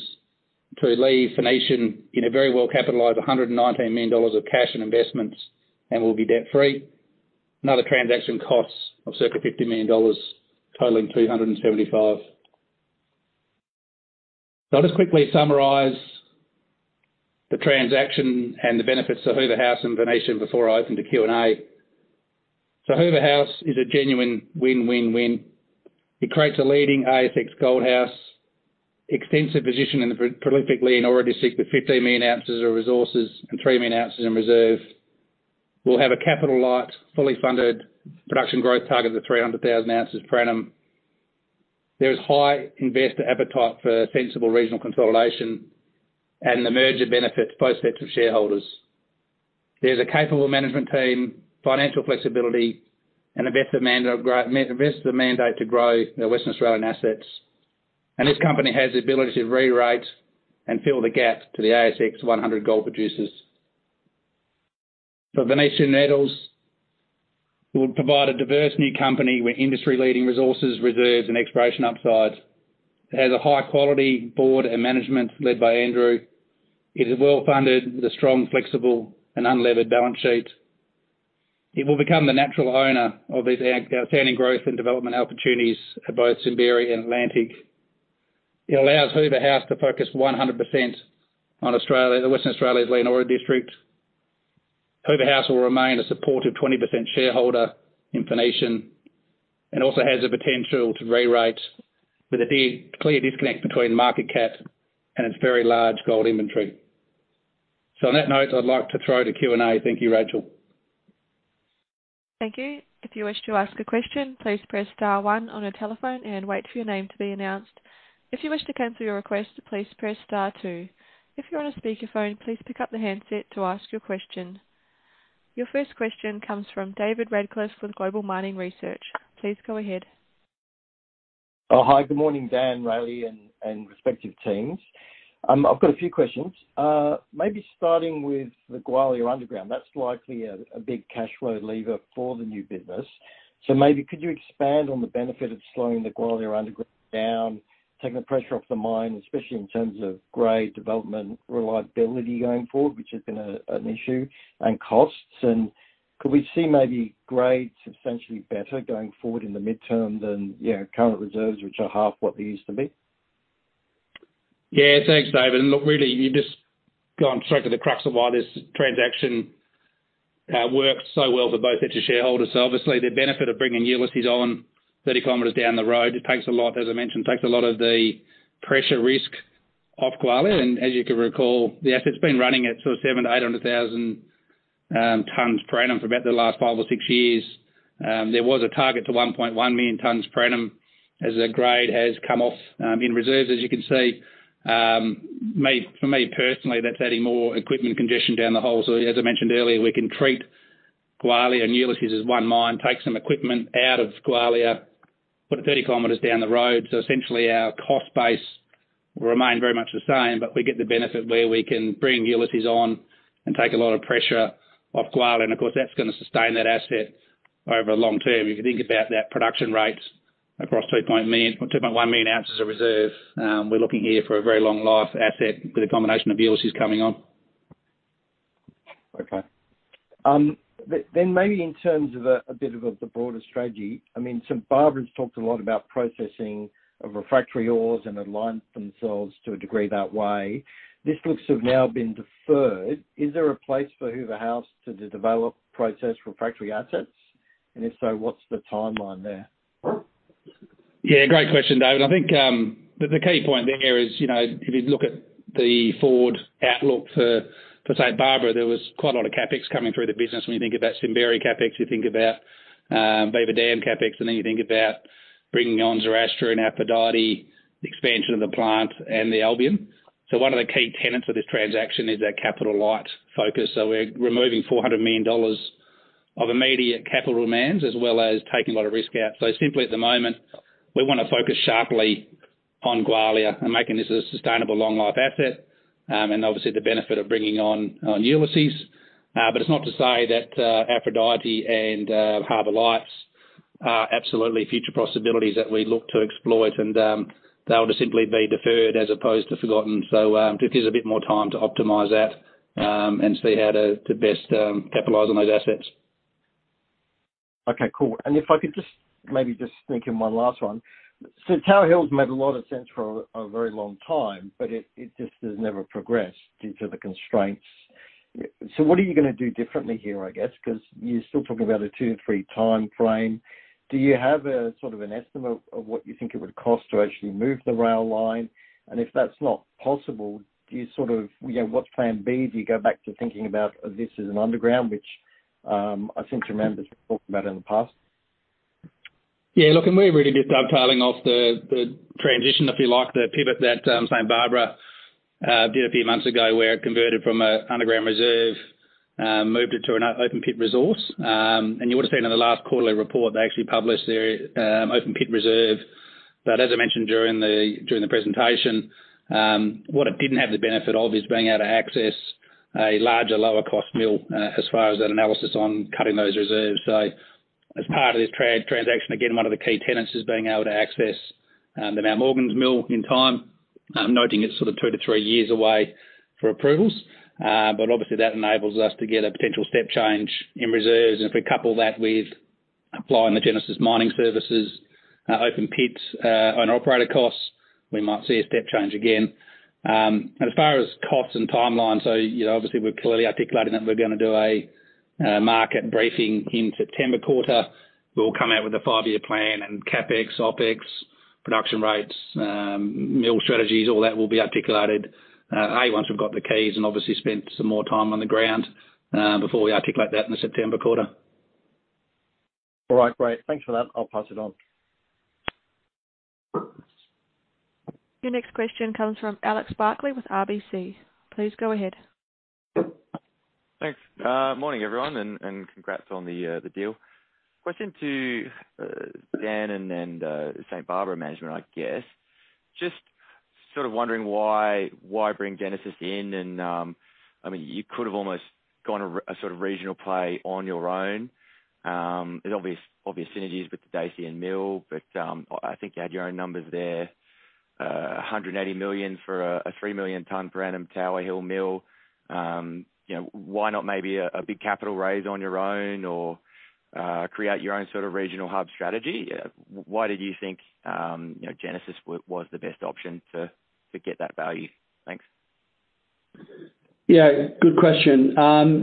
to leave Phoenician in a very well-capitalized 119 million dollars of cash and investments, and we'll be debt-free. Other transaction costs of circa 50 million dollars, totaling 275 million. I'll just quickly summarize the transaction and the benefits to Hoover House and Phoenician before I open to Q&A. Hoover House is a genuine win-win-win. It creates a leading ASX gold house, extensive position in the prolific Leonora District with 15 million ounces of resources and 3 million ounces in reserve. We'll have a capital-light, fully funded production growth target of 300,000 ounces per annum. There is high investor appetite for sensible regional consolidation, and the merger benefits both sets of shareholders. There's a capable management team, financial flexibility, and invest the mandate to grow their Western Australian assets. This company has the ability to re-rate and fill the gap to the ASX 100 gold producers. For Phoenician Metals, we'll provide a diverse new company with industry-leading resources, reserves, and exploration upsides. It has a high-quality board and management led by Andrew. It is well-funded with a strong, flexible, and unlevered balance sheet. It will become the natural owner of these outstanding growth and development opportunities at both Simberi and Atlantic. It allows Hoover House to focus 100% on Australia, the Western Australia's Leonora District. Hoover House will remain a supportive 20% shareholder in Phoenician. Also has the potential to re-rate with a clear disconnect between market cap and its very large gold inventory. On that note, I'd like to throw to Q&A. Thank you, Rochelle. Thank you. If you wish to ask a question, please press star one on your telephone and wait for your name to be announced. If you wish to cancel your request, please press star two. If you're on a speakerphone, please pick up the handset to ask your question. Your first question comes from David Radclyffe with Global Mining Research. Please go ahead. Hi. Good morning, Dan, Raleigh, and respective teams. I've got a few questions. Maybe starting with the Gwalia Underground. That's likely a big cash flow lever for the new business. Maybe could you expand on the benefit of slowing the Gwalia Underground down, taking the pressure off the mine, especially in terms of grade development, reliability going forward, which has been an issue, and costs? Could we see maybe grades substantially better going forward in the midterm than, you know, current reserves, which are half what they used to be? Yeah. Thanks, David. Look, really, you've just gone straight to the crux of why this transaction works so well for both sets of shareholders. Obviously, the benefit of bringing Ulysses on 30 km down the road, it takes a lot, as I mentioned, takes a lot of the pressure risk off Gwalia. As you can recall, the asset's been running at sort of 700,000-800,000 tons per annum for about the last five or six years. There was a target to 1.1 million tons per annum as the grade has come off in reserves, as you can see. For me personally, that's adding more equipment congestion down the hole. As I mentioned earlier, we can treat Gwalia and Ulysses as one mine, take some equipment out of Gwalia, put it 30 km down the road. Essentially, our cost base will remain very much the same, but we get the benefit where we can bring Ulysses on and take a lot of pressure off Gwalia. Of course, that's gonna sustain that asset over the long term. If you think about that production rates across 2.1 million ounces of reserve, we're looking here for a very long life asset with a combination of Ulysses coming on. Okay. Then maybe in terms of a bit of the broader strategy, I mean, St Barbara's talked a lot about processing of refractory ores and aligned themselves to a degree that way. This looks to have now been deferred. Is there a place for Hoover House to develop process refractory assets? If so, what's the timeline there? Yeah, great question, David. I think, the key point there is, you know, if you look at the forward outlook for St Barbara, there was quite a lot of CapEx coming through the business. When you think about Simberi CapEx, you think about Bardoc CapEx, and then you think about bringing on Zoroastrian and Aphrodite, expansion of the plant and the Albion Process. One of the key tenets of this transaction is that capital light focus. We're removing 400 million dollars of immediate capital demands as well as taking a lot of risk out. Simply at the moment, we wanna focus sharply on Gwalia and making this a sustainable long life asset, and obviously the benefit of bringing on Ulysses. It's not to say that, Aphrodite and, Harbor Lights are absolutely future possibilities that we look to explore it and, they'll just simply be deferred as opposed to forgotten. Just use a bit more time to optimize that, and see how to best capitalize on those assets. Okay, cool. If I could just maybe just sneak in one last one. Tower Hill made a lot of sense for a very long time, but it just has never progressed due to the constraints. What are you gonna do differently here, I guess? 'Cause you're still talking about a two to three time frame. Do you have a sort of an estimate of what you think it would cost to actually move the rail line? If that's not possible, do you know, what's plan B? Do you go back to thinking about this as an underground, which, I seem to remember talking about in the past? Yeah, look, we're really just dovetailing off the transition, if you like, the pivot that St Barbara did a few months ago, where it converted from an underground reserve, moved it to an open pit resource. You would've seen in the last quarterly report, they actually published their open pit reserve. As I mentioned during the presentation, what it didn't have the benefit of is being able to access a larger, lower cost mill, as far as that analysis on cutting those reserves. As part of this transaction, again, one of the key tenets is being able to access the Mt Morgans Mill in time, noting it's sort of 2-3 years away for approvals. Obviously that enables us to get a potential step change in reserves. If we couple that with applying the Genesis Mining Services open pits owner/operator costs, we might see a step change again. As far as costs and timelines, you know, obviously we're clearly articulating that we're gonna do a market briefing in September quarter. We'll come out with a five-year plan and CapEx, OpEx, production rates, mill strategies, all that will be articulated once we've got the keys and obviously spent some more time on the ground, before we articulate that in the September quarter. All right, great. Thanks for that. I'll pass it on. Your next question comes from Alex Barkley with RBC. Please go ahead. Thanks. Morning, everyone, and congrats on the deal. Question to Dan and then St Barbara management, I guess. Just sort of wondering why bring Genesis in and, I mean, you could have almost gone a sort of regional play on your own. There's obvious synergies with the Dacian mill, but I think you had your own numbers there. 180 million for a 3 million ton per annum Tower Hill mill. You know, why not maybe a big capital raise on your own or create your own sort of regional hub strategy? Why did you think, you know, Genesis was the best option to get that value? Thanks. Yeah, good question.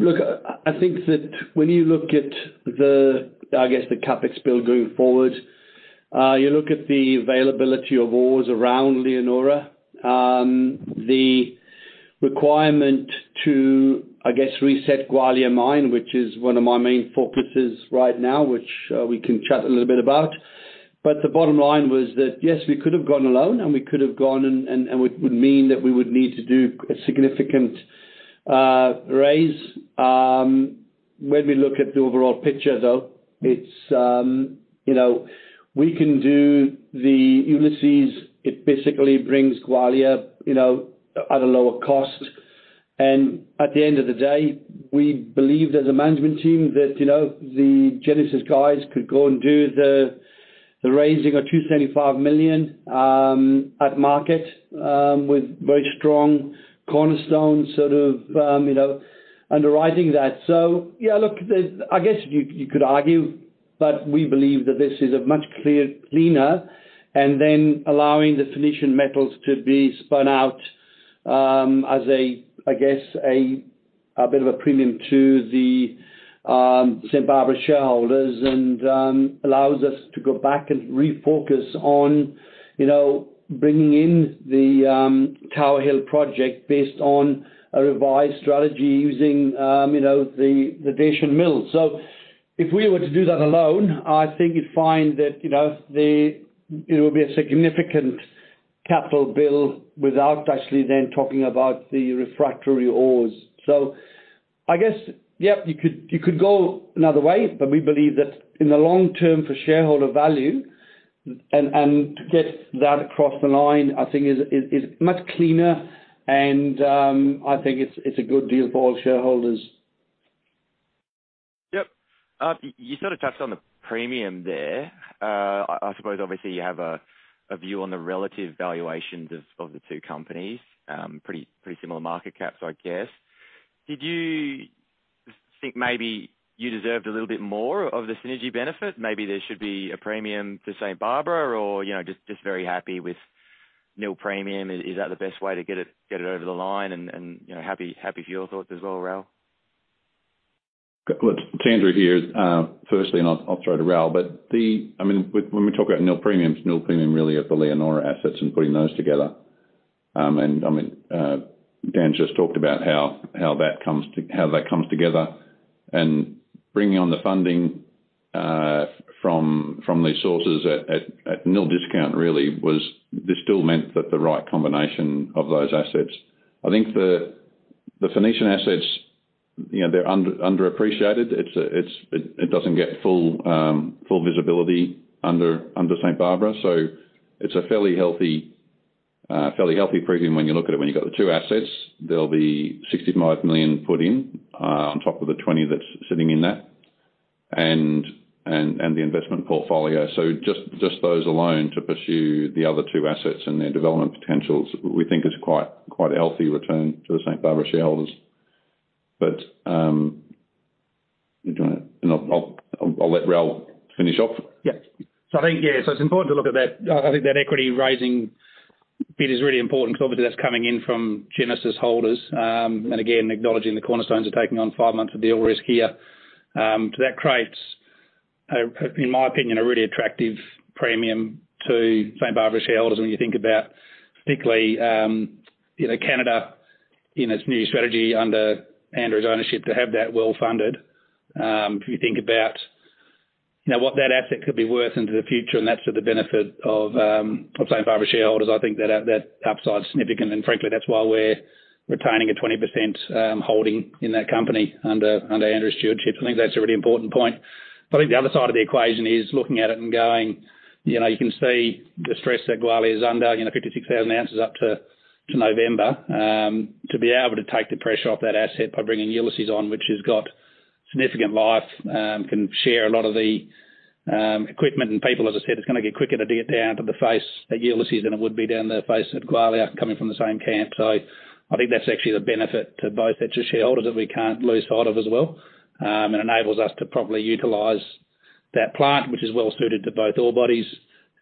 Look, I think that when you look at the, I guess, the CapEx bill going forward, you look at the availability of ores around Leonora, the requirement to, I guess, reset Gwalia Mine, which is one of my main focuses right now, which we can chat a little bit about. The bottom line was that, yes, we could have gone alone, and we could have gone, and it would mean that we would need to do a significant raise. When we look at the overall picture, though, it's, you know, we can do the Ulysses. It basically brings Gwalia, you know, at a lower cost. At the end of the day, we believe as a management team that, you know, the Genesis guys could go and do the raising of 275 million at market with very strong cornerstone sort of, you know, underwriting that. I guess you could argue, but we believe that this is a much cleaner and then allowing the Phoenician Metals to be spun out as a, I guess, a bit of a premium to the St Barbara shareholders and allows us to go back and refocus on, you know, bringing in the Tower Hill project based on a revised strategy using, you know, the Dacian mill. If we were to do that alone, I think you'd find that, you know, it would be a significant capital bill without actually then talking about the refractory ores. I guess, yep, you could go another way, but we believe that in the long term for shareholder value and to get that across the line, I think is much cleaner and, I think it's a good deal for all shareholders. Yep. You sort of touched on the premium there. I suppose obviously you have a view on the relative valuations of the two companies. Pretty similar market caps, I guess. Did you think maybe you deserved a little bit more of the synergy benefit? Maybe there should be a premium for St Barbara or, you know, just very happy with no premium? Is that the best way to get it over the line? You know, happy for your thoughts as well, Ral? Good. It's Andrew here. Firstly, I'll throw to Ral. I mean, when we talk about nil premiums, nil premium really are the Leonora assets and putting those together. I mean, Dan just talked about how that comes together and bringing on the funding from these sources at nil discount really was. This still meant that the right combination of those assets. I think the Phoenician assets, you know, they're underappreciated. It doesn't get full visibility under St Barbara. It's a fairly healthy premium when you look at it. When you've got the two assets, there'll be 65 million put in on top of the 20 that's sitting in that, and the investment portfolio. Just those alone to pursue the other two assets and their development potentials, we think is quite a healthy return to the St Barbara shareholders. I'll let Ral finish off. It's important to look at that. I think that equity raising bit is really important because obviously that's coming in from Genesis holders. Again, acknowledging the cornerstones are taking on five months of deal risk here. That creates a, in my opinion, a really attractive premium to St Barbara shareholders when you think about particularly, you know, Canada in its new strategy under Andrew's ownership to have that well-funded. If you think about, you know, what that asset could be worth into the future, and that's for the benefit of St Barbara shareholders. I think that upside's significant, and frankly, that's why we're retaining a 20% holding in that company under Andrew's stewardship. I think that's a really important point. I think the other side of the equation is looking at it and going, you know, you can see the stress that Gwalia is under, you know, 56,000 ounces up to November. To be able to take the pressure off that asset by bringing Ulysses on, which has got significant life, can share a lot of the equipment. People, as I said, it's gonna get quicker to get down to the face at Ulysses than it would be down the face at Gwalia coming from the same camp. I think that's actually the benefit to both sets of shareholders that we can't lose sight of as well. It enables us to properly utilize that plant, which is well suited to both ore bodies.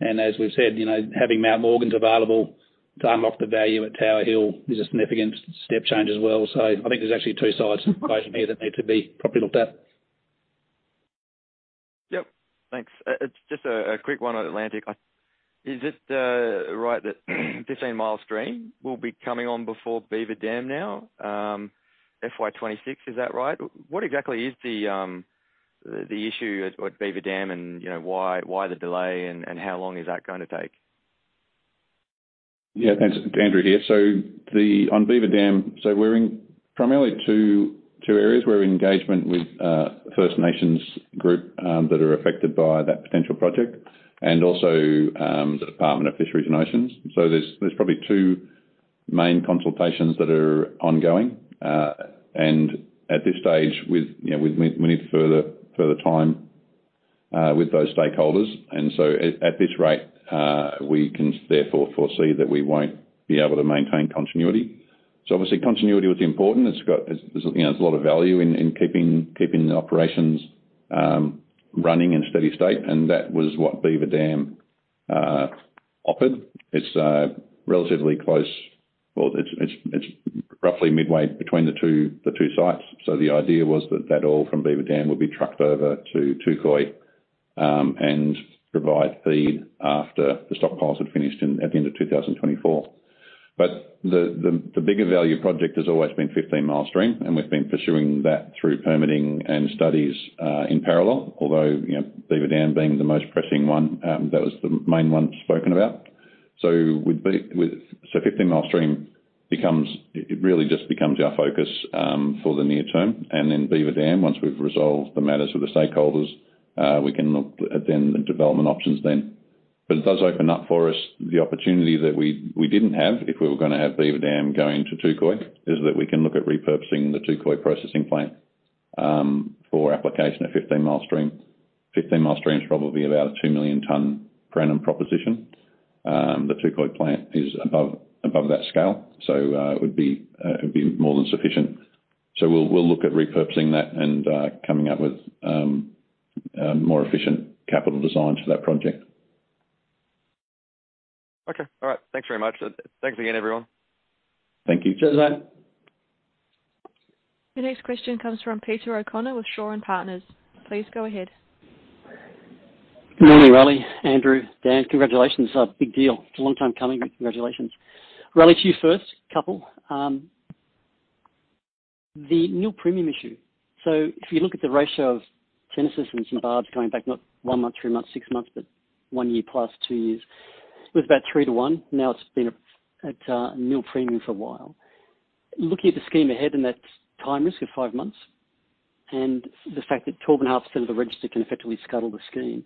As we've said, you know, having Mt Morgans available to unlock the value at Tower Hill is a significant step change as well. I think there's actually two sides of the equation here that need to be properly looked at. Yep. Thanks. Just a quick one on Atlantic. Is it right that Fifteen Mile Stream will be coming on before Beaver Dam now, FY 2026? Is that right? What exactly is the issue at Beaver Dam? You know, why the delay, and how long is that gonna take? Yeah. Thanks. Andrew here. On Beaver Dam, so we're in primarily two areas. We're in engagement with First Nations Group that are affected by that potential project, and also the Department of Fisheries and Oceans. There's probably two main consultations that are ongoing. At this stage with, you know, we need further time with those stakeholders. At this rate, we can therefore foresee that we won't be able to maintain continuity. Obviously continuity was important. It's got, it's, you know, it's a lot of value in keeping the operations running in a steady state, and that was what Beaver Dam offered. It's relatively close. Well, it's roughly midway between the two sites. The idea was that oil from Beaver Dam would be trucked over to Touquoy and provide feed after the stockpiles had finished at the end of 2024. The bigger value project has always been Fifteen Mile Stream, and we've been pursuing that through permitting and studies in parallel. Although, you know, Beaver Dam being the most pressing one, that was the main one spoken about. It really just becomes our focus for the near term. Beaver Dam, once we've resolved the matters with the stakeholders, we can look at then the development options then. It does open up for us the opportunity that we didn't have if we were gonna have Beaver Dam going to Touquoy, is that we can look at repurposing the Touquoy processing plant for application at Fifteen Mile Stream. Fifteen Mile Stream is probably about a 2 million tons per annum proposition. The Touquoy plant is above that scale, so it would be more than sufficient. We'll look at repurposing that and coming up with a more efficient capital design for that project. Okay. All right. Thanks very much. Thanks again, everyone. Thank you. Cheers, Alex. The next question comes from Peter O'Connor with Shaw and Partners. Please go ahead. Good morning, Raleigh, Andrew, Dan. Congratulations. A big deal. It's a long time coming, but congratulations. Raleigh, to you first. Couple. The nil premium issue. If you look at the ratio of Genesis and St Barbara's going back not one month, three months, six months, but 1+ year, two years, it was about three to one. Now, it's been at nil premium for a while. Looking at the scheme ahead and that time risk of five months and the fact that 12.5% of the register can effectively scuttle the scheme,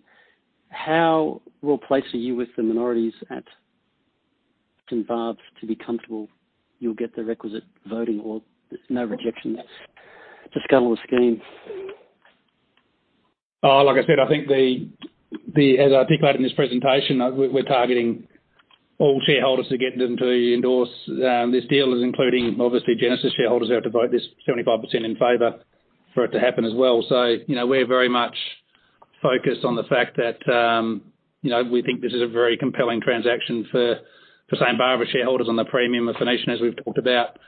how well placed are you with the minorities at St Barbara's to be comfortable you'll get the requisite voting or there's no rejection to scuttle the scheme? Like I said, I think as I pointed out in this presentation, we're targeting all shareholders to get them to endorse this deal as including obviously Genesis shareholders who have to vote this 75% in favor for it to happen as well. You know, we're very much focused on the fact that, you know, we think this is a very compelling transaction for St Barbara shareholders on the premium of Phoenician, as we've talked about.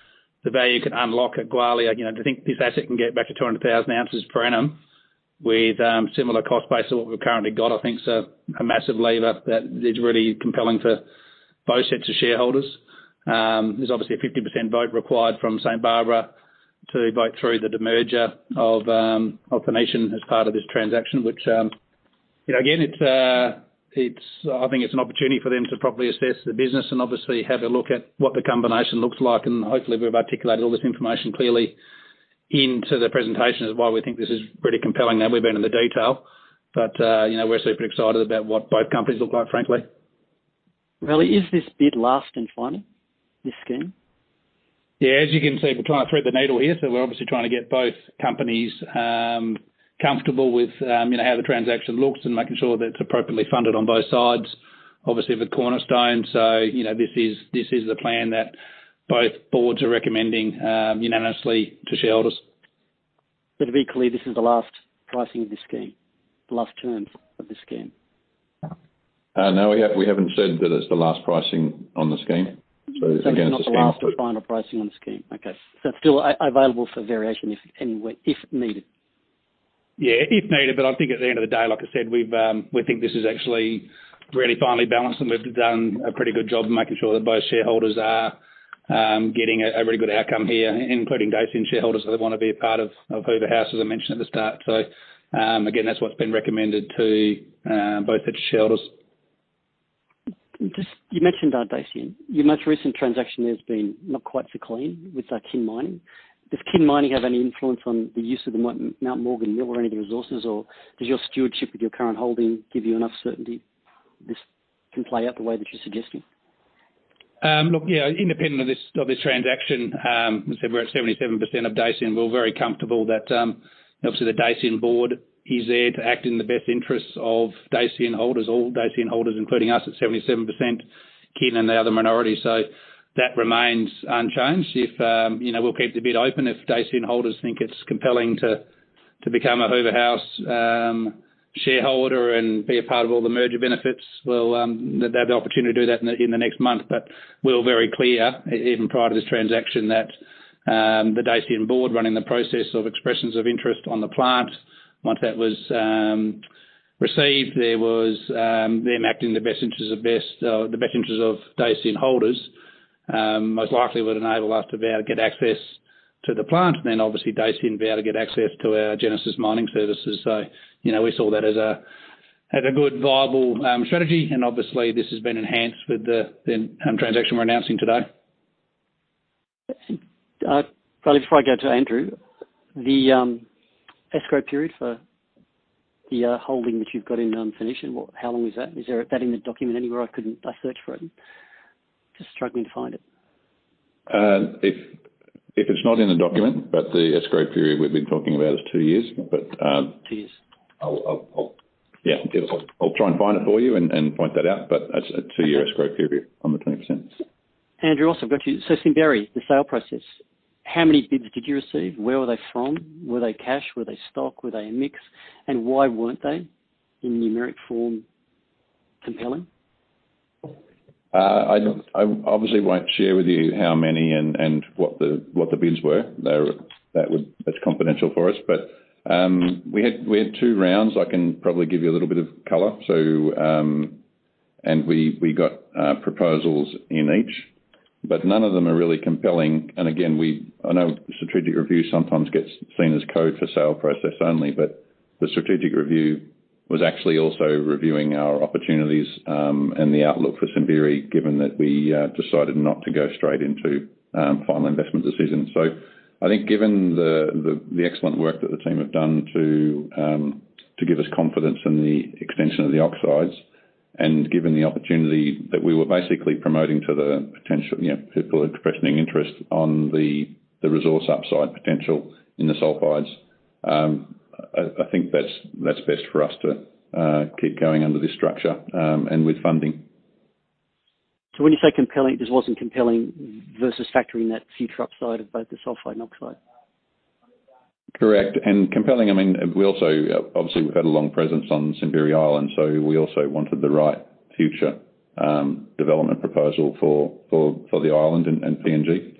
The value you can unlock at Gwalia, you know, to think this asset can get back to 200,000 ounces per annum with similar cost base to what we've currently got, I think is a massive lever that is really compelling for both sets of shareholders. There's obviously a 50% vote required from St Barbara to vote through the demerger of Phoenician as part of this transaction, which, you know, again, it's I think it's an opportunity for them to properly assess the business and obviously have a look at what the combination looks like. Hopefully we've articulated all this information clearly into the presentation of why we think this is pretty compelling. We've been in the detail, but, you know, we're super excited about what both companies look like, frankly. Well, is this bid last and final, this scheme? As you can see, we're trying to thread the needle here, we're obviously trying to get both companies comfortable with, you know, how the transaction looks and making sure that it's appropriately funded on both sides, obviously, with Cornerstone. You know, this is the plan that both boards are recommending unanimously to shareholders. To be clear, this is the last pricing of this scheme, the last terms of this scheme? No. We haven't said that it's the last pricing on the scheme. It's not the last or final pricing on the scheme. Okay. It's still available for variation if anywhere, if needed. Yeah, if needed. I think at the end of the day, like I said, we think this is actually really finely balanced, and we've done a pretty good job of making sure that both shareholders are, getting a really good outcome here, including Dacian shareholders that want to be a part of Hoover House, as I mentioned at the start. Again, that's what's been recommended to, both the shareholders. You mentioned that Dacian. Your most recent transaction there has been not quite so clean with Kin Mining. Does Kin Mining have any influence on the use of the Mt Morgans mill or any of the resources, or does your stewardship with your current holding give you enough certainty this can play out the way that you're suggesting? Look, yeah, independent of this transaction, as I said, we're at 77% of Dacian. We're very comfortable that, obviously the Dacian board is there to act in the best interests of Dacian holders, all Dacian holders, including us at 77%, Kin and the other minority. That remains unchanged. If, you know, we'll keep the bid open. If Dacian holders think it's compelling to become a Hoover House shareholder and be a part of all the merger benefits, they'll have the opportunity to do that in the next month. We're very clear even prior to this transaction, that the Dacian board running the process of expressions of interest on the plant, once that was received, there was them acting in the best interests of Dacian holders, most likely would enable us to be able to get access to the plant, then obviously Dacian be able to get access to our Genesis Mining Services. You know, we saw that as a good viable strategy and obviously this has been enhanced with the transaction we're announcing today. Well, before I go to Andrew, the escrow period for the holding that you've got in Phoenician, what, how long is that? Is there that in the document anywhere? I searched for it. Just struggling to find it. If it's not in the document, but the escrow period we've been talking about is two years. Two years. I'll try and find it for you and point that out, but that's a two-year escrow period on the 20%. Andrew, also got you. Simberi, the sale process, how many bids did you receive? Where were they from? Were they cash? Were they stock? Were they a mix? Why weren't they, in numeric form, compelling? I obviously won't share with you how many and what the, what the bids were. That's confidential for us. We had two rounds. I can probably give you a little bit of color. We got proposals in each, but none of them are really compelling. Again, I know strategic review sometimes gets seen as code for sale process only, but the strategic review was actually also reviewing our opportunities, and the outlook for Simberi, given that we decided not to go straight into final investment decisions. I think given the excellent work that the team have done to give us confidence in the extension of the oxides, and given the opportunity that we were basically promoting to the potential, you know, people expressing interest on the resource upside potential in the sulfides, I think that's best for us to keep going under this structure, and with funding. When you say compelling, this wasn't compelling versus factoring that future upside of both the sulfide and oxide? Correct. Compelling, I mean, we also, obviously we've had a long presence on Simberi Island, so we also wanted the right future, development proposal for the island and PNG.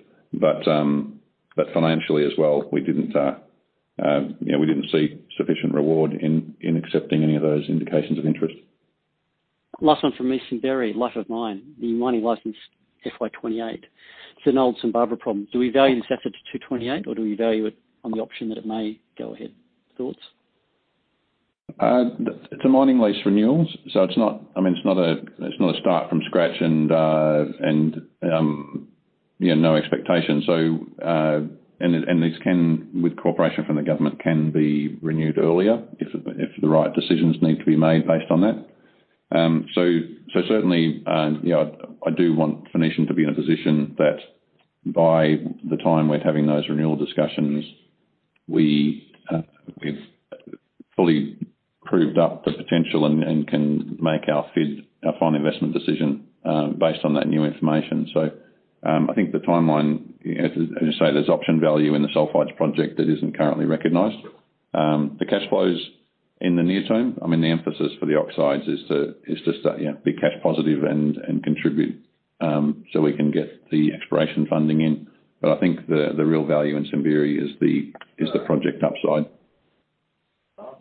Financially as well, we didn't, you know, we didn't see sufficient reward in accepting any of those indications of interest. Last one from me, Simberi, life of mine, the mining license, FY 2028. It's an old St Barbara problem. Do we value this asset to 2028 or do we value it on the option that it may go ahead? Thoughts? It's a mining lease renewals, so it's not, I mean, it's not a, it's not a start from scratch and yeah, no expectations. This can, with cooperation from the government, can be renewed earlier if the right decisions need to be made based on that. Certainly, you know, I do want Phoenician to be in a position that by the time we're having those renewal discussions, we've fully proved up the potential and can make our FID, our Final Investment Decision, based on that new information. I think the timeline, as you say, there's option value in the sulfides project that isn't currently recognized. The cash flows in the near term, I mean, the emphasis for the oxides is to, is to yeah, be cash positive and contribute, so we can get the exploration funding in. I think the real value in St Barbara is the, is the project upside.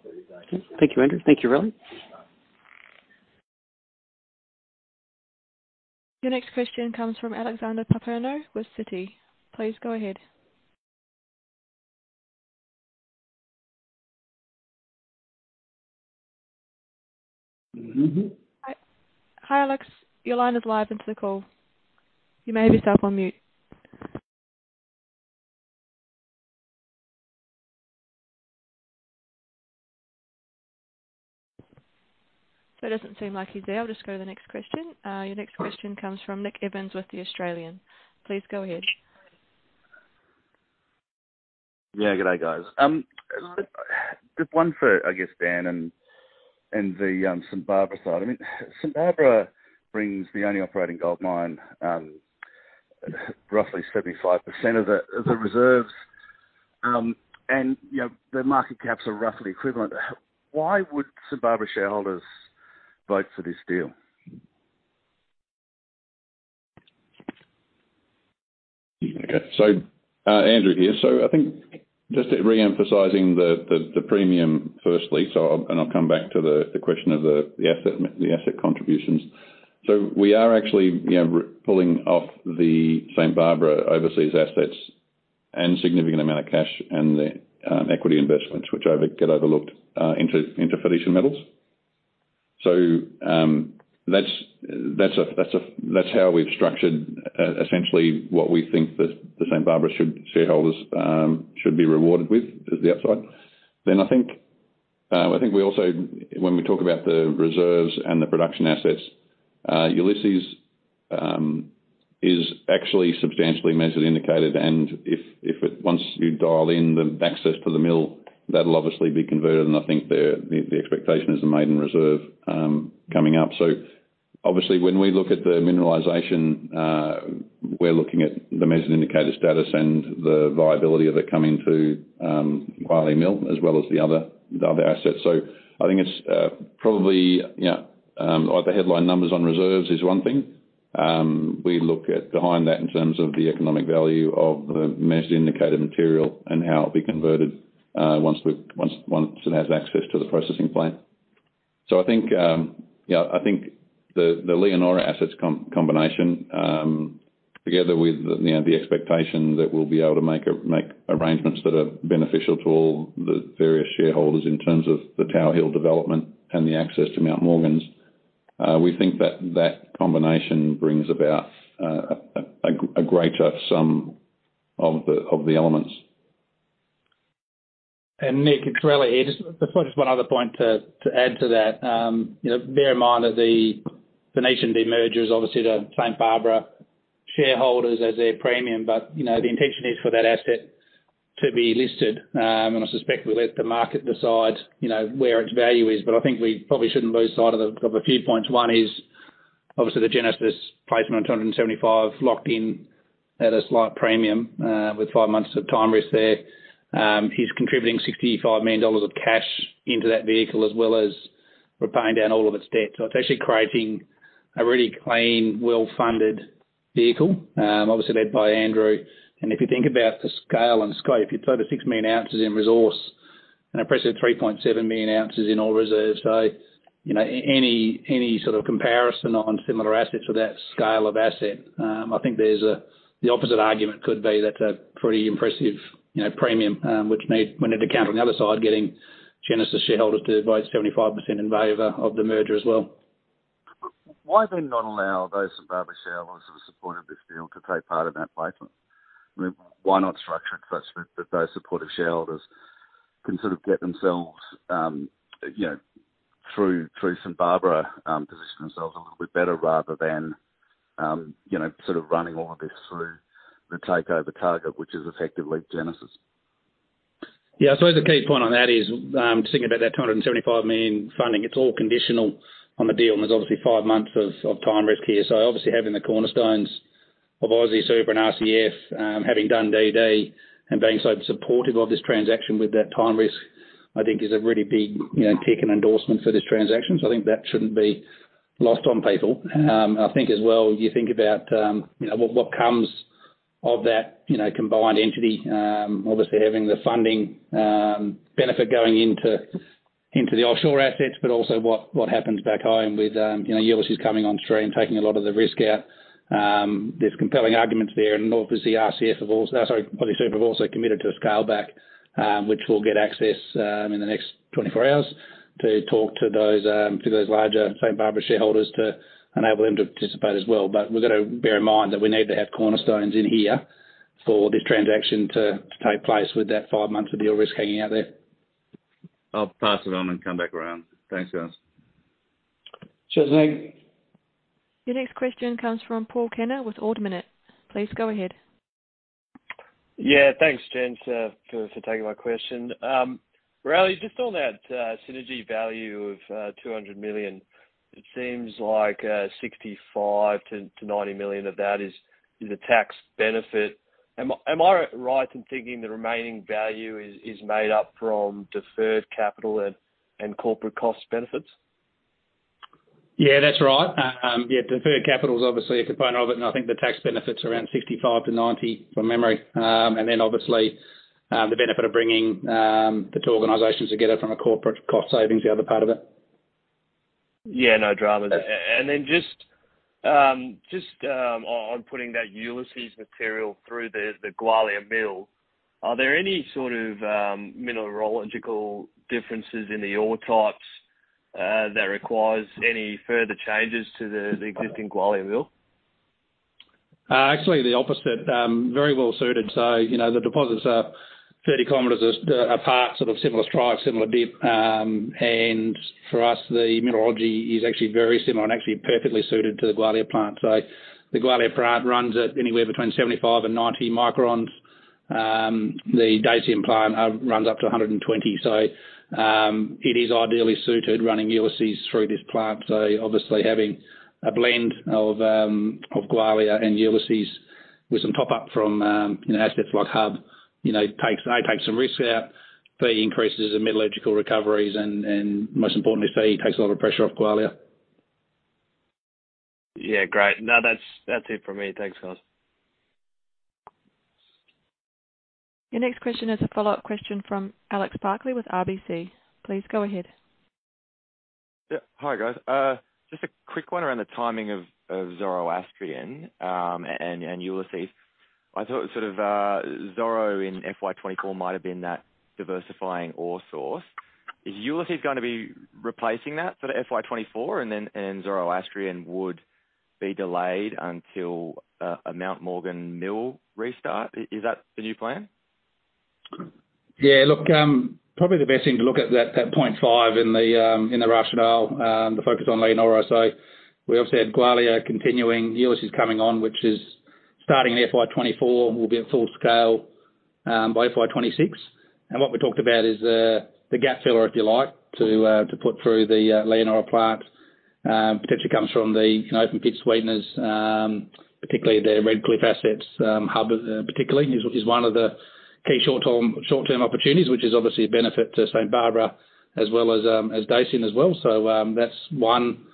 Okay. Thank you, Andrew. Thank you, Raleigh. Your next question comes from Alexander Papaioanou with Citi. Please go ahead. Hi, Alex. Your line is live into the call. You may have yourself on mute. It doesn't seem like he's there. I'll just go to the next question. Your next question comes from Nick Evans with The Australian. Please go ahead. Yeah. Good day, guys. Just one for, I guess, Dan and the, St Barbara side. I mean, St Barbara brings the only operating gold mine, roughly 75% of the, of the reserves. You know, their market caps are roughly equivalent. Why would St Barbara shareholders vote for this deal? Okay. Andrew here. I think just re-emphasizing the, the premium firstly. I'll come back to the question of the asset, the asset contributions. We are actually, you know, pulling off the St Barbara overseas assets and significant amount of cash and the equity investments which get overlooked into Phoenician Metals. That's, that's a, that's a, that's how we've structured essentially what we think that the St Barbara shareholders should be rewarded with is the upside. I think, I think we also when we talk about the reserves and the production assets, Ulysses is actually substantially measured, indicated. If once you dial in the access to the mill, that'll obviously be converted. I think the, the expectation is the maiden reserve coming up. Obviously when we look at the mineralization, we're looking at the measured indicated status and the viability of it coming to Gwalia Mill as well as the other assets. I think it's probably the headline numbers on reserves is one thing. We look at behind that in terms of the economic value of the measured indicated material and how it'll be converted once it has access to the processing plant. I think, I think the Leonora assets combination together with, you know, the expectation that we'll be able to make arrangements that are beneficial to all the various shareholders in terms of the Tower Hill development and the access to Mt Morgans, we think that that combination brings about a greater sum of the elements. Nick, it's Raleigh here. Just one other point to add to that. You know, bear in mind that the Phoenician demerger is obviously the St Barbara shareholders as their premium. You know, the intention is for that asset to be listed. I suspect we'll let the market decide, you know, where its value is. I think we probably shouldn't lose sight of a few points. One is obviously the Genesis placement of 275 locked in at a slight premium, with five months of time risk there. He's contributing 65 million dollars of cash into that vehicle, as well as repaying down all of its debt. It's actually creating a really clean, well-funded vehicle, obviously led by Andrew. If you think about the scale and scope, you play the 6 million ounces in resource and impressive 3.7 million ounces in Ore Reserves. You know, any sort of comparison on similar assets or that scale of asset, I think there's the opposite argument could be that's a pretty impressive, you know, premium, which we need to count on the other side, getting Genesis shareholders to raise 75% in favor of the merger as well. Why not allow those St Barbara shareholders who supported this deal to take part in that placement? I mean, why not structure it so that those supportive shareholders can sort of get themselves, you know, through St Barbara, position themselves a little bit better rather than, you know, sort of running all of this through the takeover target, which is effectively Genesis? I suppose the key point on that is, thinking about that 275 million funding. It's all conditional on the deal, there's obviously five months of time risk here. Obviously having the cornerstones of AustralianSuper and RCF, having done DD and being so supportive of this transaction with that time risk, I think is a really big, you know, tick and endorsement for this transaction. I think that shouldn't be lost on people. I think as well, you think about, you know, what comes of that, you know, combined entity, obviously having the funding benefit going into the offshore assets, also what happens back home with, you know, Ulysses coming on stream, taking a lot of the risk out. There's compelling arguments there. Obviously RCF, sorry, AustralianSuper, have also committed to a scale back, which we'll get access in the next 24 hours to talk to those, to those larger St Barbara shareholders to enable them to participate as well. We've got to bear in mind that we need to have cornerstones in here for this transaction to take place with that five months of deal risk hanging out there. I'll pass it on and come back around. Thanks, guys. Cheers, Nick. Your next question comes from Paul Kaner with Ord Minnett. Please go ahead. Yeah. Thanks, Dan, for taking my question. Raleigh, just on that synergy value of 200 million, it seems like 65 million-90 million of that is a tax benefit. Am I right in thinking the remaining value is made up from deferred capital and corporate cost benefits? That's right. deferred capital is obviously a component of it, and I think the tax benefit's around 65-90, from memory. obviously, the benefit of bringing the two organizations together from a corporate cost savings, the other part of it. Yeah, no dramas. Just on putting that Ulysses material through the Gwalia Mill, are there any sort of mineralogical differences in the ore types that requires any further changes to the existing Gwalia Mill? Actually the opposite. Very well-suited. You know, the deposits are 30 km apart, sort of similar strike, similar dip. For us, the mineralogy is actually very similar and actually perfectly suited to the Gwalia Plant. The Gwalia Plant runs at anywhere between 75 and 90 microns. The Dacian Plant runs up to 120. It is ideally suited running Ulysses through this plant. Obviously having a blend of Gwalia and Ulysses with some top-up from, you know, assets like Hub, you know, takes A, takes some risk out, B, increases the metallurgical recoveries and most importantly, C, takes a lot of pressure off Gwalia. Yeah, great. That's it from me. Thanks, guys. Your next question is a follow-up question from Alex Barkley with RBC. Please go ahead. Yeah. Hi, guys. just a quick one around the timing of Zoroastrian, and Ulysses. I thought sort of, Zoro in FY 2024 might have been that diversifying ore source. Is Ulysses gonna be replacing that for the FY 2024, and Zoroastrian would be delayed until, a Mt Morgans mill restart? Is that the new plan? Yeah. Look, probably the best thing to look at that 0.5 in the rationale, the focus on Leonora. We obviously had Gwalia continuing. Ulysses coming on, which is starting in FY 2024, will be at full scale by FY 2026. What we talked about is the gap filler, if you like, to put through the Leonora plant, potentially comes from the, you know, open pit sweeteners, particularly the Redcliffe assets, Hub, particularly is one of the key short-term opportunities, which is obviously a benefit to St Barbara as well as Dacian as well. That's one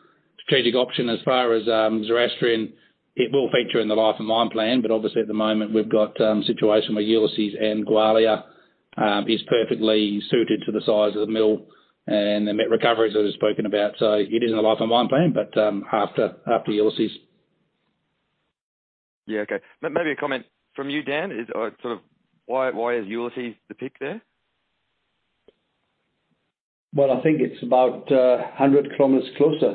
strategic option as far as Zoroastrian. It will feature in the life of mine plan, but obviously at the moment we've got, situation where Ulysses and Gwalia is perfectly suited to the size of the mill and the net recoveries that we've spoken about. It is in the life of mine plan, but after Ulysses. Yeah. Okay. Maybe a comment from you, Dan. Sort of why is Ulysses the pick there? I think it's about 100 km closer.